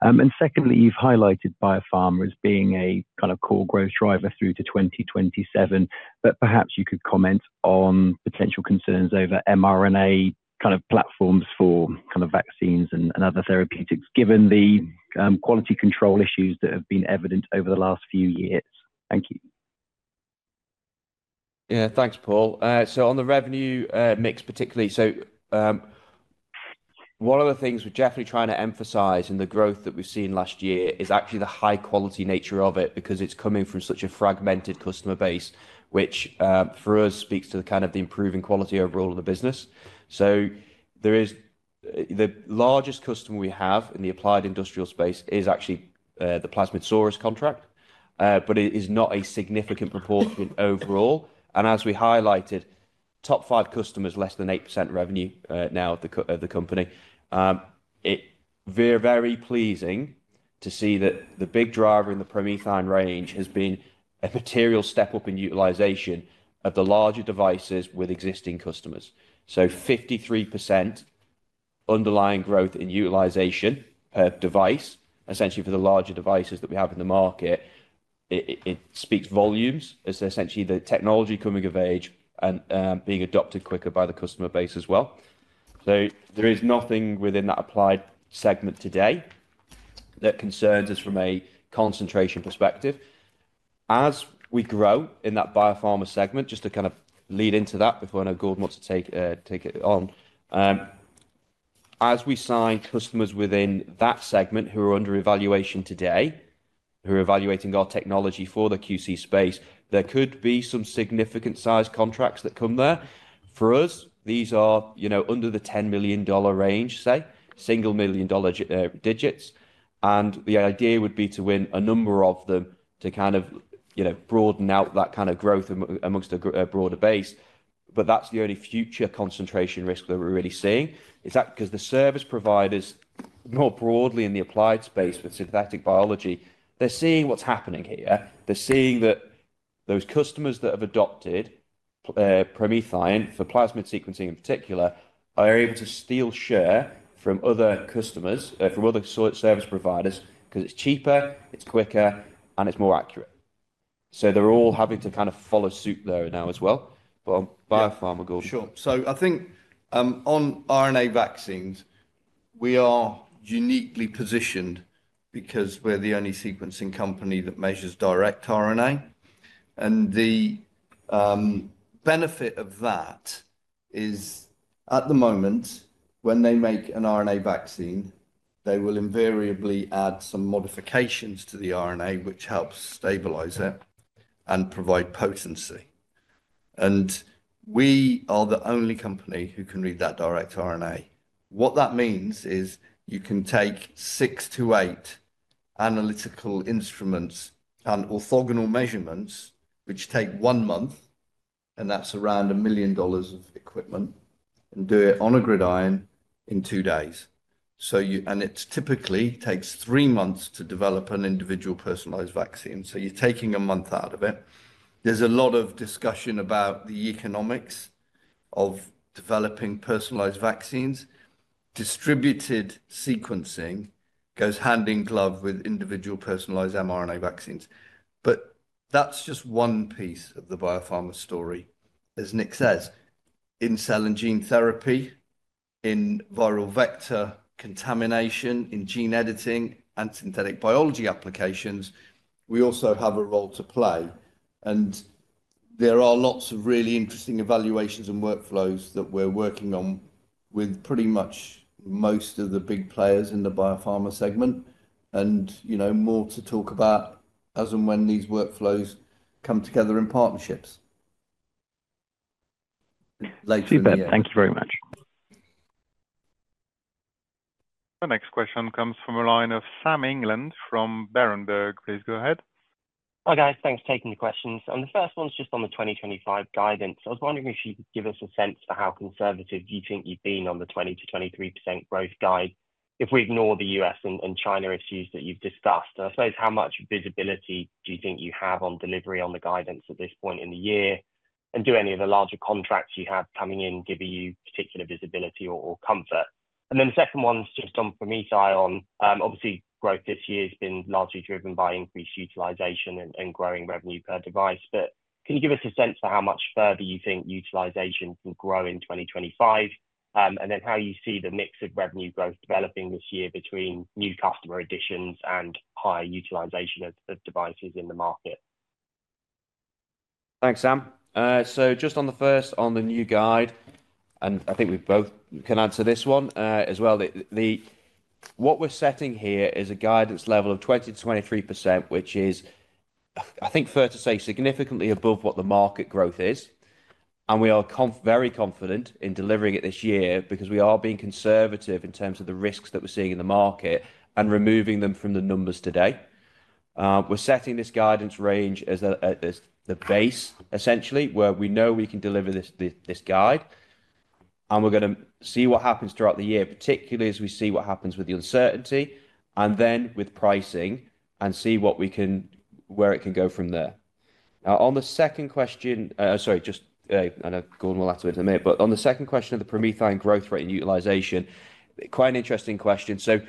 Speaker 6: And secondly, you've highlighted biopharma as being a kind of core growth driver through to 2027, but perhaps you could comment on potential concerns over mRNA kind of platforms for kind of vaccines and other therapeutics, given the quality control issues that have been evident over the last few years. Thank you.
Speaker 2: Yeah, thanks, Paul. So, on the revenue mix particularly, so one of the things we're definitely trying to emphasize in the growth that we've seen last year is actually the high-quality nature of it because it's coming from such a fragmented customer base, which for us speaks to the kind of the improving quality overall of the business. So, the largest customer we have in the applied industrial space is actually the Plasmidsaurus contract, but it is not a significant proportion overall. And as we highlighted, top five customers, less than 8% revenue now of the company. It's very pleasing to see that the big driver in the PromethION range has been a material step up in utilization of the larger devices with existing customers, so 53% underlying growth in utilization per device, essentially for the larger devices that we have in the market. It speaks volumes as essentially the technology coming of age and being adopted quicker by the customer base as well, so there is nothing within that applied segment today that concerns us from a concentration perspective. As we grow in that biopharma segment, just to kind of lead into that before I know Gordon wants to take it on, as we sign customers within that segment who are under evaluation today, who are evaluating our technology for the QC space, there could be some significant size contracts that come there. For us, these are under the $10 million range, say, single million dollar digits, and the idea would be to win a number of them to kind of broaden out that kind of growth among a broader base, but that's the only future concentration risk that we're really seeing. It's that because the service providers, more broadly in the applied space for synthetic biology, they're seeing what's happening here. They're seeing that those customers that have adopted PromethION for plasmid sequencing in particular are able to steal share from other customers, from other service providers, because it's cheaper, it's quicker, and it's more accurate, so, they're all having to kind of follow suit there now as well, but on biopharma, Gordon?
Speaker 1: Sure, so, I think on RNA vaccines, we are uniquely positioned because we're the only sequencing company that measures direct RNA. The benefit of that is at the moment, when they make an RNA vaccine, they will invariably add some modifications to the RNA, which helps stabilize it and provide potency. We are the only company who can read that direct RNA. What that means is you can take six to eight analytical instruments and orthogonal measurements, which take one month, and that's around $1 million of equipment, and do it on a GridION in two days. It typically takes three months to develop an individual personalized vaccine. You're taking a month out of it. There's a lot of discussion about the economics of developing personalized vaccines. Distributed sequencing goes hand in glove with individual personalized mRNA vaccines. That's just one piece of the biopharma story. As Nick says, in cell and gene therapy, in viral vector contamination, in gene editing, and synthetic biology applications, we also have a role to play. And there are lots of really interesting evaluations and workflows that we're working on with pretty much most of the big players in the biopharma segment. And more to talk about as and when these workflows come together in partnerships.
Speaker 6: Thank you very much.
Speaker 3: The next question comes from a line of Sam England from Berenberg. Please go ahead.
Speaker 7: Hi guys, thanks for taking the questions. And the first one's just on the 2025 guidance. I was wondering if you could give us a sense for how conservative you think you've been on the 20%-23% growth guide if we ignore the US and China issues that you've discussed. And I suppose how much visibility do you think you have on delivery on the guidance at this point in the year? And do any of the larger contracts you have coming in give you particular visibility or comfort? And then the second one's just on PromethION, obviously, growth this year has been largely driven by increased utilization and growing revenue per device. But can you give us a sense for how much further you think utilization can grow in 2025? And then how you see the mix of revenue growth developing this year between new customer additions and higher utilization of devices in the market?
Speaker 2: Thanks, Sam. Just on the first on the new guide, and I think we both can answer this one as well. What we're setting here is a guidance level of 20%-23%, which is, I think, fair to say, significantly above what the market growth is. We are very confident in delivering it this year because we are being conservative in terms of the risks that we're seeing in the market and removing them from the numbers today. We're setting this guidance range as the base, essentially, where we know we can deliver this guide. We're going to see what happens throughout the year, particularly as we see what happens with the uncertainty and then with pricing and see what we can, where it can go from there. Now, on the second question, sorry, just, I know Gordon will answer it in a minute, but on the second question of the PromethION growth rate and utilization, quite an interesting question. So,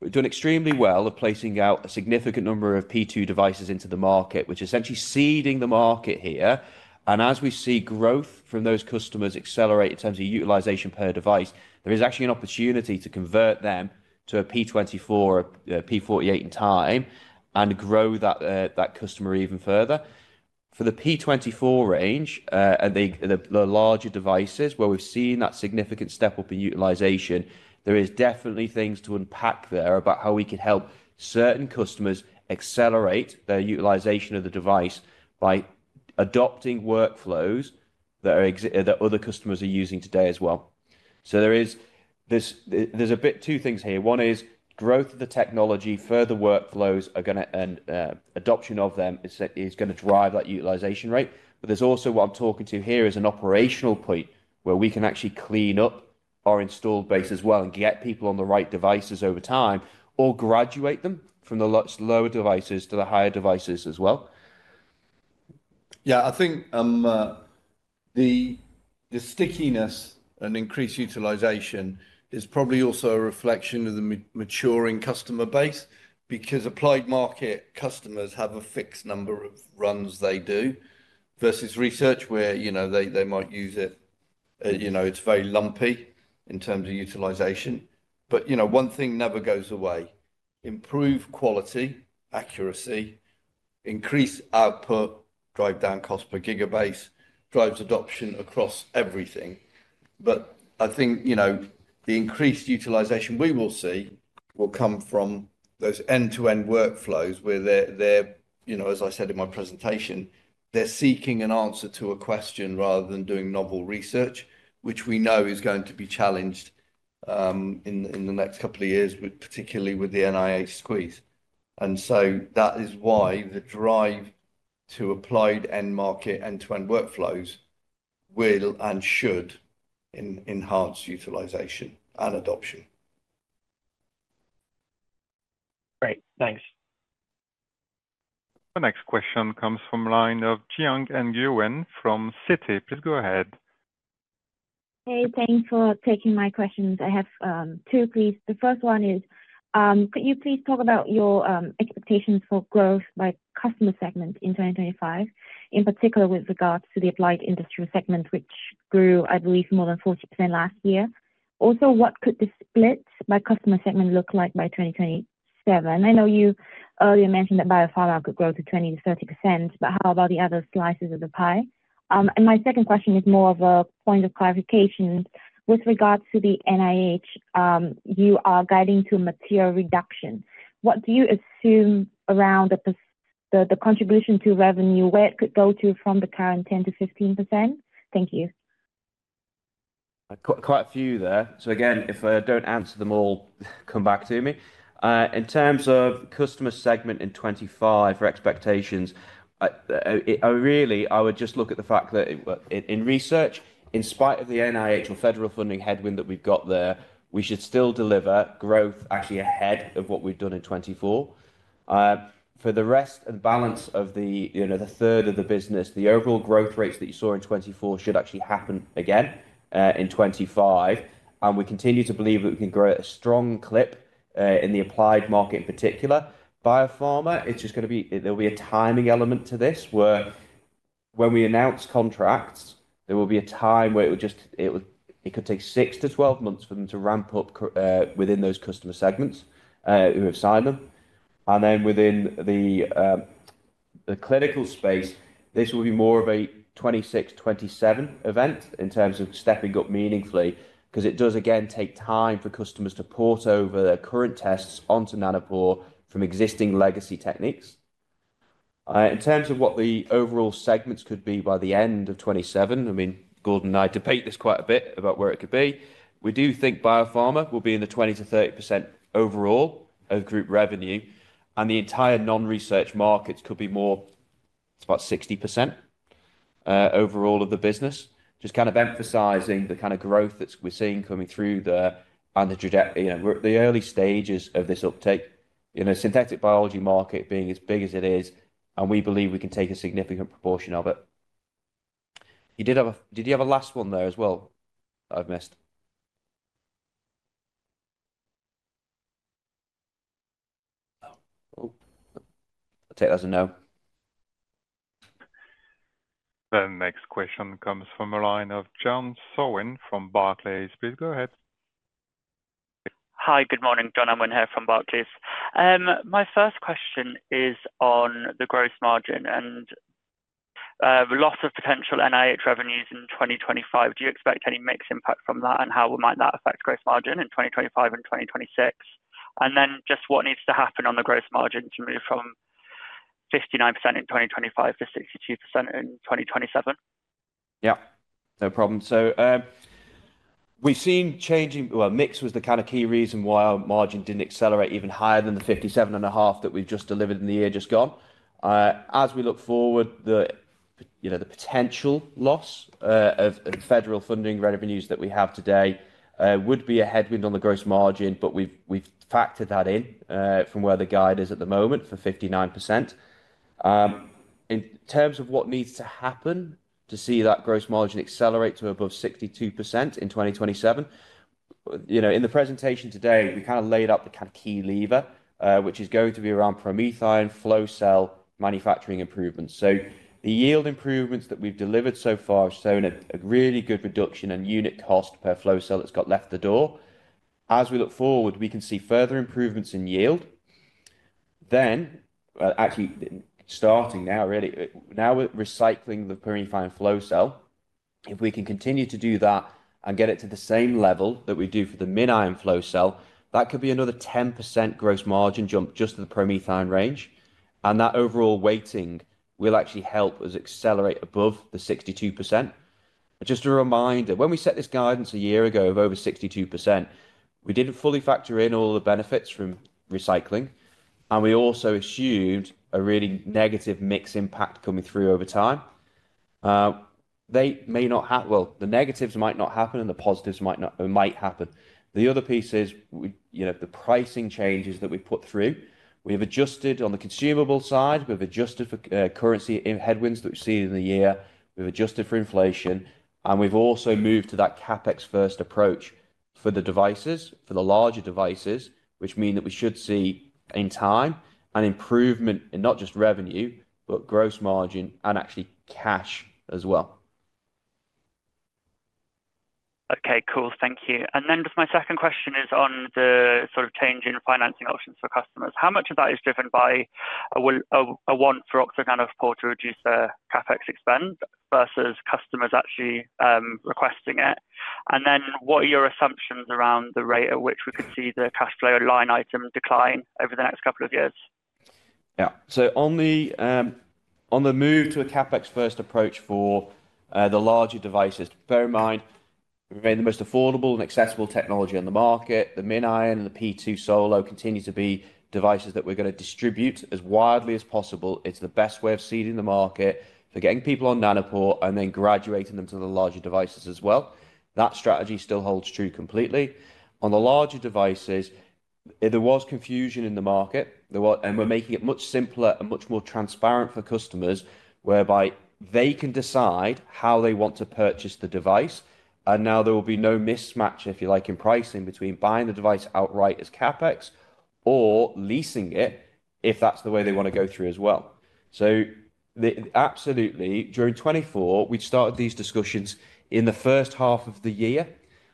Speaker 2: we've done extremely well of placing out a significant number of P2 devices into the market, which is essentially seeding the market here. And as we see growth from those customers accelerate in terms of utilization per device, there is actually an opportunity to convert them to a P24 or a P48 in time and grow that customer even further. For the P24 range and the larger devices where we've seen that significant step up in utilization, there is definitely things to unpack there about how we can help certain customers accelerate their utilization of the device by adopting workflows that other customers are using today as well. So, there's a bit two things here. One is growth of the technology. Further workflows are going to, and adoption of them is going to drive that utilization rate. But there's also what I'm talking to here is an operational point where we can actually clean up our installed base as well and get people on the right devices over time or graduate them from the lower devices to the higher devices as well.
Speaker 1: Yeah, I think the stickiness and increased utilization is probably also a reflection of the maturing customer base because applied market customers have a fixed number of runs they do versus research where they might use it. It's very lumpy in terms of utilization. But one thing never goes away. Improve quality, accuracy, increase output, drive down cost per gigabase, drives adoption across everything. But I think the increased utilization we will see will come from those end-to-end workflows where they're, as I said in my presentation, they're seeking an answer to a question rather than doing novel research, which we know is going to be challenged in the next couple of years, particularly with the NIH squeeze. And so that is why the drive to applied end market end-to-end workflows will and should enhance utilization and adoption.
Speaker 7: Great, thanks.
Speaker 3: The next question comes from a line of Yuan Zhi from Citi. Please go ahead.
Speaker 8: Hey, thanks for taking my questions. I have two, please. The first one is, could you please talk about your expectations for growth by customer segment in 2025, in particular with regards to the applied industrial segment, which grew, I believe, more than 40% last year? Also, what could the split by customer segment look like by 2027? I know you earlier mentioned that Biopharma could grow to 20%-30%, but how about the other slices of the pie? And my second question is more of a point of clarification. With regards to the NIH, you are guiding to material reduction. What do you assume around the contribution to revenue, where it could go to from the current 10%-15%? Thank you.
Speaker 2: Quite a few there. So again, if I don't answer them all, come back to me. In terms of customer segment in 2025, for expectations, really, I would just look at the fact that in research, in spite of the NIH or federal funding headwind that we've got there, we should still deliver growth actually ahead of what we've done in 2024. For the rest of the balance of the third of the business, the overall growth rates that you saw in 2024 should actually happen again in 2025. And we continue to believe that we can grow at a strong clip in the applied market in particular. Biopharma, it's just going to be, there'll be a timing element to this where when we announce contracts, there will be a time where it could take 6 to 12 months for them to ramp up within those customer segments who have signed them. And then within the clinical space, this will be more of a 2026, 2027 event in terms of stepping up meaningfully because it does, again, take time for customers to port over their current tests onto Nanopore from existing legacy techniques. In terms of what the overall segments could be by the end of 2027, I mean, Gordon and I debate this quite a bit about where it could be. We do think biopharma will be in the 20%-30% overall of group revenue. And the entire non-research markets could be more, it's about 60% overall of the business, just kind of emphasizing the kind of growth that we're seeing coming through the, and the early stages of this uptake, synthetic biology market being as big as it is, and we believe we can take a significant proportion of it. You did have a, did you have a last one there as well? I've missed. I'll take that as a no.
Speaker 3: The next question comes from a line of John Unwin from Barclays. Please go ahead. Hi, good morning. John Unwin here from Barclays.
Speaker 9: My first question is on the gross margin and loss of potential NIH revenues in 2025. Do you expect any mixed impact from that and how might that affect gross margin in 2025 and 2026? And then just what needs to happen on the gross margin to move from 59% in 2025 to 62% in 2027?
Speaker 2: Yep, no problem. So we've seen changing, well, mix was the kind of key reason why our margin didn't accelerate even higher than the 57.5% that we've just delivered in the year just gone. As we look forward, the potential loss of federal funding revenues that we have today would be a headwind on the gross margin, but we've factored that in from where the guide is at the moment for 59%. In terms of what needs to happen to see that gross margin accelerate to above 62% in 2027, in the presentation today, we kind of laid out the kind of key lever, which is going to be around PromethION flow cell manufacturing improvements. So the yield improvements that we've delivered so far have shown a really good reduction in unit cost per flow cell that's opened the door. As we look forward, we can see further improvements in yield. Then, actually starting now, really, now we're recycling the PromethION flow cell. If we can continue to do that and get it to the same level that we do for the MinION flow cell, that could be another 10% gross margin jump just to the PromethION range. And that overall weighting will actually help us accelerate above the 62%. Just a reminder, when we set this guidance a year ago of over 62%, we didn't fully factor in all the benefits from recycling. And we also assumed a really negative mix impact coming through over time. They may not have, well, the negatives might not happen and the positives might not, might happen. The other piece is the pricing changes that we've put through. We have adjusted on the consumable side. We've adjusted for currency headwinds that we've seen in the year. We've adjusted for inflation. And we've also moved to that CapEx-first approach for the devices, for the larger devices, which mean that we should see in time an improvement in not just revenue, but gross margin and actually cash as well.
Speaker 10: Okay, cool. Thank you. And then just my second question is on the sort of change in financing options for customers. How much of that is driven by a want for Oxford Nanopore to reduce their CapEx expense versus customers actually requesting it? And then what are your assumptions around the rate at which we could see the cash flow line item decline over the next couple of years?
Speaker 2: Yeah, so on the move to a CapEx-first approach for the larger devices, bear in mind, we've made the most affordable and accessible technology on the market. The MinION and the P2 Solo continue to be devices that we're going to distribute as widely as possible. It's the best way of seeding the market for getting people on Nanopore and then graduating them to the larger devices as well. That strategy still holds true completely. On the larger devices, there was confusion in the market, and we're making it much simpler and much more transparent for customers, whereby they can decide how they want to purchase the device. And now there will be no mismatch, if you like, in pricing between buying the device outright as CapEx or leasing it if that's the way they want to go through as well. So absolutely, during 2024, we've started these discussions in the first half of the year.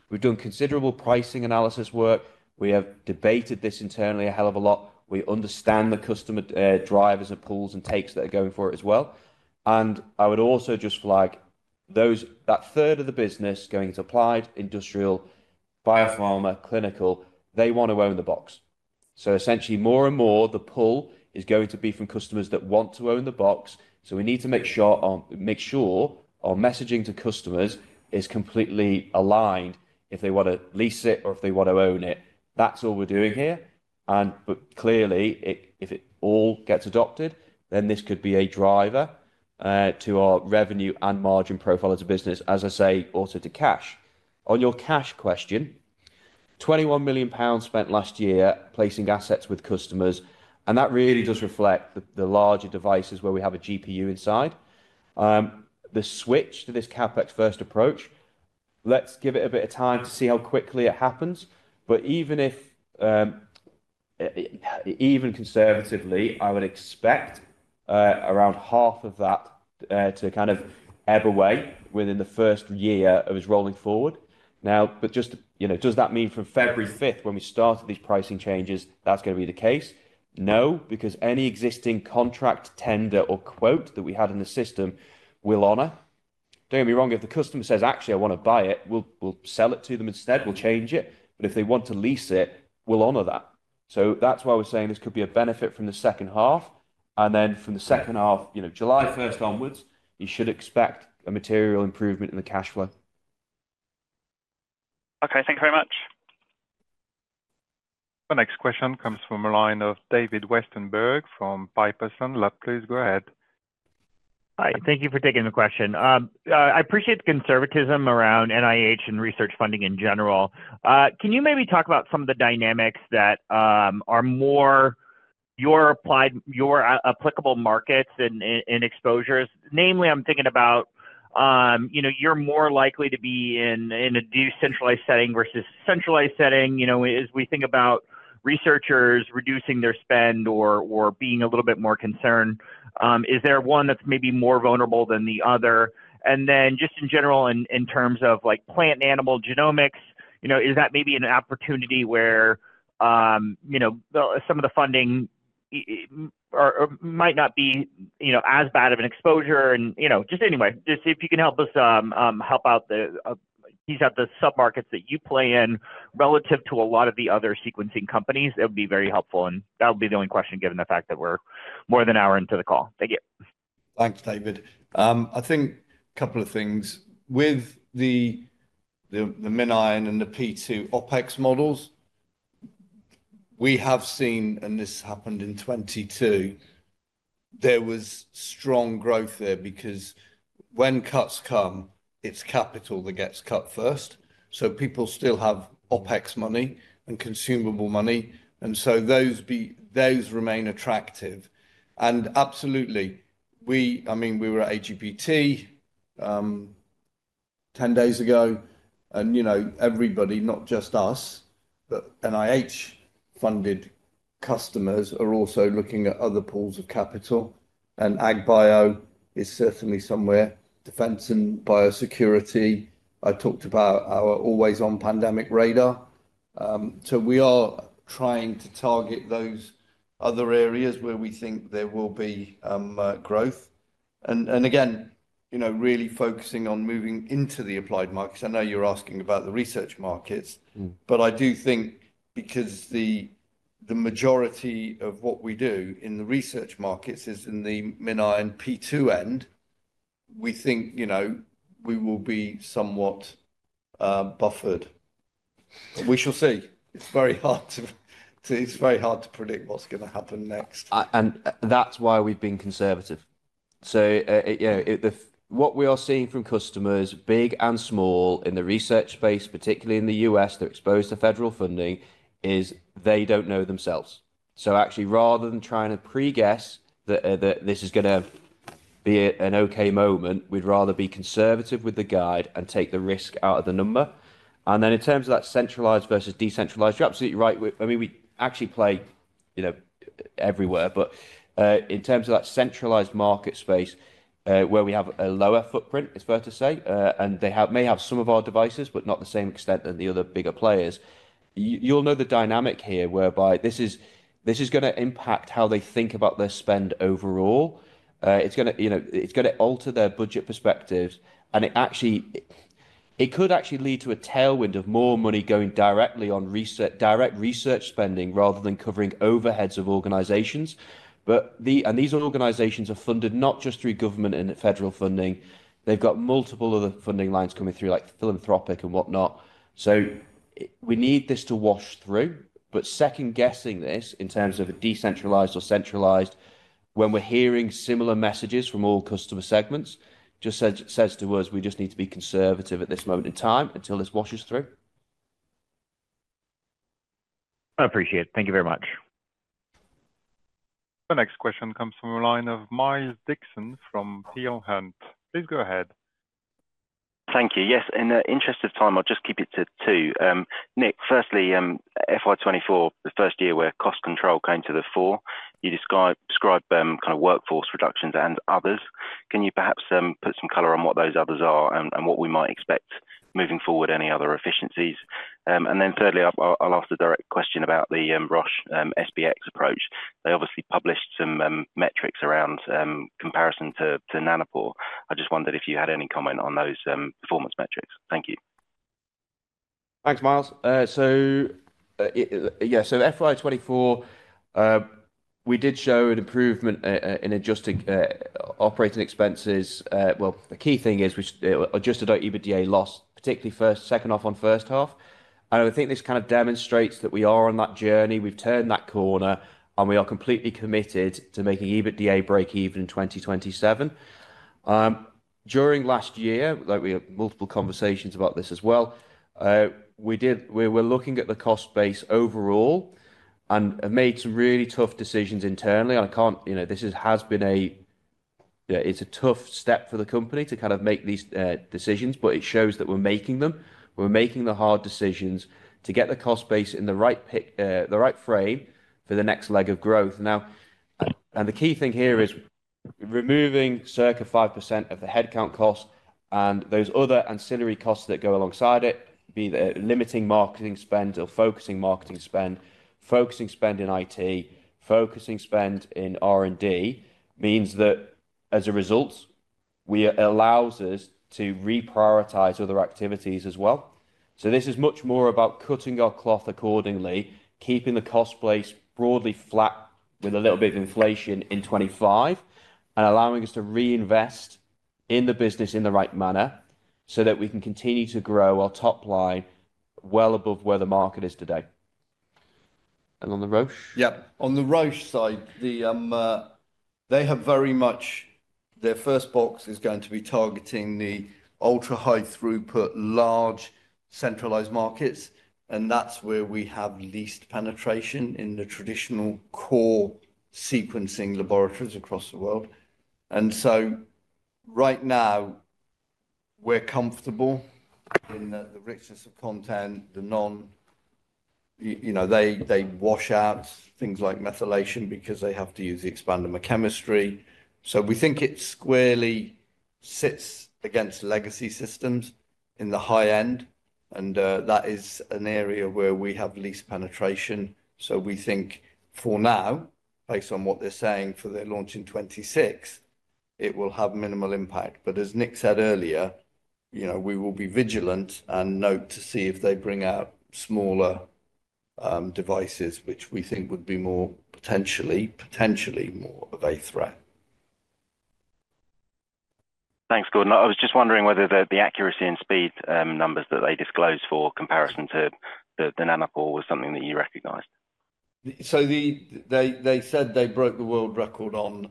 Speaker 2: We've done considerable pricing analysis work. We have debated this internally a hell of a lot. We understand the customer drivers and pulls and takes that are going for it as well. And I would also just flag that third of the business going into applied, industrial, biopharma, clinical, they want to own the box. So essentially, more and more, the pull is going to be from customers that want to own the box. So we need to make sure our messaging to customers is completely aligned if they want to lease it or if they want to own it. That's all we're doing here. And but clearly, if it all gets adopted, then this could be a driver to our revenue and margin profile as a business, as I say, also to cash. On your cash question, 21 million pounds spent last year placing assets with customers. And that really does reflect the larger devices where we have a GPU inside. The switch to this CapEx-first approach, let's give it a bit of time to see how quickly it happens. But even conservatively, I would expect around half of that to kind of ebb away within the first year of us rolling forward. Now, but just does that mean from February 5th, when we started these pricing changes, that's going to be the case? No, because any existing contract, tender, or quote that we had in the system will honor. Don't get me wrong, if the customer says, "Actually, I want to buy it," we'll sell it to them instead. We'll change it. But if they want to lease it, we'll honor that. So that's why we're saying this could be a benefit from the second half. And then from the second half, July 1st onwards, you should expect a material improvement in the cash flow.
Speaker 10: Okay, thank you very much.
Speaker 3: The next question comes from a line of David Westenberg from Piper Sandler. Westenberg, please go ahead.
Speaker 11: Hi, thank you for taking the question. I appreciate the conservatism around NIH and research funding in general. Can you maybe talk about some of the dynamics that are more your applicable markets and exposures? Namely, I'm thinking about you're more likely to be in a decentralized setting versus centralized setting as we think about researchers reducing their spend or being a little bit more concerned. Is there one that's maybe more vulnerable than the other? And then just in general, in terms of plant and animal genomics, is that maybe an opportunity where some of the funding might not be as bad of an exposure? And just anyway, just if you can help us help out the sub-markets that you play in relative to a lot of the other sequencing companies, that would be very helpful. And that would be the only question given the fact that we're more than an hour into the call. Thank you.
Speaker 1: Thanks, David. I think a couple of things. With the MinION and the P2 OpEx models, we have seen, and this happened in 2022, there was strong growth there because when cuts come, it's capital that gets cut first. So people still have OpEx money and consumable money. And so those remain attractive. And absolutely, I mean, we were at AGBT 10 days ago. And everybody, not just us, but NIH-funded customers are also looking at other pools of capital. And AgBio is certainly somewhere. Defense and biosecurity, I talked about our always-on pandemic radar. So we are trying to target those other areas where we think there will be growth. And again, really focusing on moving into the applied markets. I know you're asking about the research markets, but I do think because the majority of what we do in the research markets is in the MinION P2 end, we think we will be somewhat buffered. We shall see. It's very hard to predict what's going to happen next,
Speaker 2: and that's why we've been conservative, so what we are seeing from customers, big and small in the research space, particularly in the U.S. that are exposed to federal funding, is they don't know themselves, so actually, rather than trying to pre-guess that this is going to be an okay moment, we'd rather be conservative with the guide and take the risk out of the number, and then in terms of that centralized versus decentralized, you're absolutely right. I mean, we actually play everywhere, but in terms of that centralized market space where we have a lower footprint, it's fair to say, and they may have some of our devices, but not the same extent as the other bigger players. You'll know the dynamic here whereby this is going to impact how they think about their spend overall. It's going to alter their budget perspectives. And it could actually lead to a tailwind of more money going directly on direct research spending rather than covering overheads of organizations. And these organizations are funded not just through government and federal funding. They've got multiple other funding lines coming through, like philanthropic and whatnot. So we need this to wash through. But second-guessing this in terms of decentralized or centralized, when we're hearing similar messages from all customer segments, just says to us, we just need to be conservative at this moment in time until this washes through.
Speaker 11: I appreciate it. Thank you very much.
Speaker 3: The next question comes from a line of Miles Dixon from Peel Hunt. Please go ahead.
Speaker 12: Thank you. Yes, in the interest of time, I'll just keep it to two. Nick, firstly, FY24, the first year where cost control came to the fore, you described kind of workforce reductions and others. Can you perhaps put some color on what those others are and what we might expect moving forward, any other efficiencies? And then thirdly, I'll ask a direct question about the Roche SBX approach. They obviously published some metrics around comparison to Nanopore. I just wondered if you had any comment on those performance metrics. Thank you.
Speaker 2: Thanks, Miles. Yeah, FY24, we did show an improvement in adjusted operating expenses. The key thing is we adjusted our EBITDA loss, particularly second half on first half. I think this kind of demonstrates that we are on that journey. We've turned that corner, and we are completely committed to making EBITDA break even in 2027. During last year, we had multiple conversations about this as well. We were looking at the cost base overall and made some really tough decisions internally. I can't. This has been a. It's a tough step for the company to kind of make these decisions, but it shows that we're making them. We're making the hard decisions to get the cost base in the right frame for the next leg of growth. Now, the key thing here is removing circa 5% of the headcount cost and those other ancillary costs that go alongside it, be that limiting marketing spend or focusing marketing spend, focusing spend in IT, focusing spend in R&D. That means that as a result, it allows us to reprioritize other activities as well. This is much more about cutting our cloth accordingly, keeping the cost base broadly flat with a little bit of inflation in 2025, and allowing us to reinvest in the business in the right manner so that we can continue to grow our top line well above where the market is today. And on the Roche?
Speaker 1: Yep. On the Roche side, they have very much their first box is going to be targeting the ultra-high throughput large centralized markets. And that's where we have least penetration in the traditional core sequencing laboratories across the world. And so right now, we're comfortable in the richness of content, the nuances they wash out things like methylation because they have to use the bisulfite chemistry. So we think it squarely sits against legacy systems in the high end. And that is an area where we have least penetration. So we think for now, based on what they're saying for their launch in 2026, it will have minimal impact. But as Nick said earlier, we will be vigilant and need to see if they bring out smaller devices, which we think would be more potentially of a threat.
Speaker 12: Thanks, Gordon. I was just wondering whether the accuracy and speed numbers that they disclosed for comparison to the Nanopore was something that you reognized.
Speaker 1: So they said they broke the world record on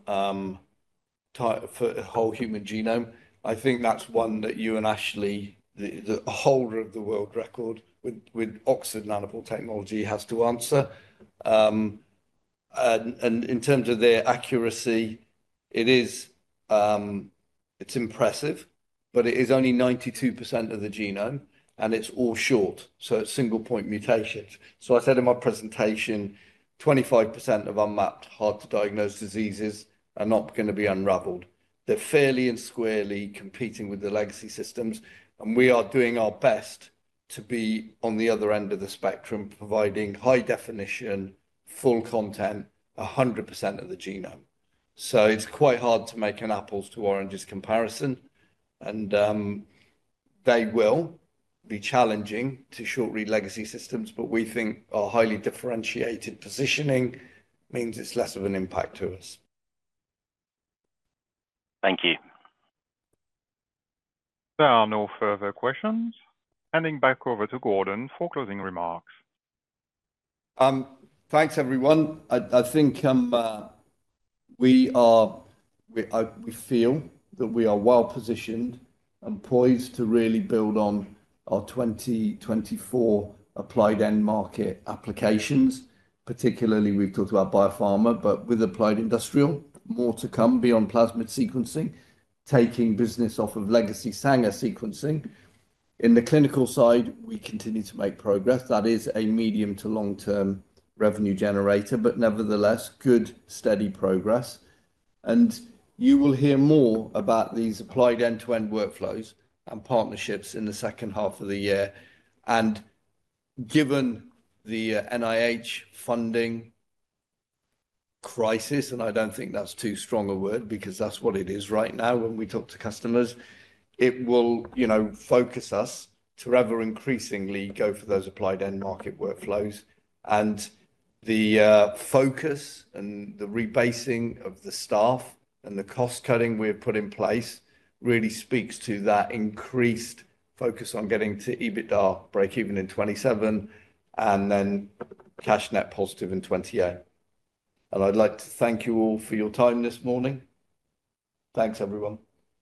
Speaker 1: whole human genome. I think that's one that you and Ashley, the holder of the world record with Oxford Nanopore Technologies, has to answer. And in terms of their accuracy, it's impressive, but it is only 92% of the genome, and it's all short. So it's single-point mutations. So I said in my presentation, 25% of unmapped, hard-to-diagnose diseases are not going to be unraveled. They're fairly and squarely competing with the legacy systems. And we are doing our best to be on the other end of the spectrum, providing high definition, full content, 100% of the genome. So it's quite hard to make an apples-to-oranges comparison. And they will be challenging to short-read legacy systems, but we think our highly differentiated positioning means it's less of an impact to us.
Speaker 3: Thank you. There are no further questions. Handing back over to Gordon for closing remarks.
Speaker 1: Thanks, everyone. I think we feel that we are well positioned and poised to really build on our 2024 applied end market applications, particularly we've talked about biopharma, but with applied industrial, more to come beyond plasmid sequencing, taking business off of legacy Sanger sequencing. In the clinical side, we continue to make progress. That is a medium to long-term revenue generator, but nevertheless, good steady progress. And you will hear more about these applied end-to-end workflows and partnerships in the second half of the year. And given the NIH funding crisis, and I don't think that's too strong a word because that's what it is right now when we talk to customers, it will focus us to ever increasingly go for those applied end market workflows. The focus and the rebasing of the staff and the cost cutting we've put in place really speaks to that increased focus on getting to EBITDA break even in 2027 and then cash net positive in 2028. I'd like to thank you all for your time this morning. Thanks, everyone.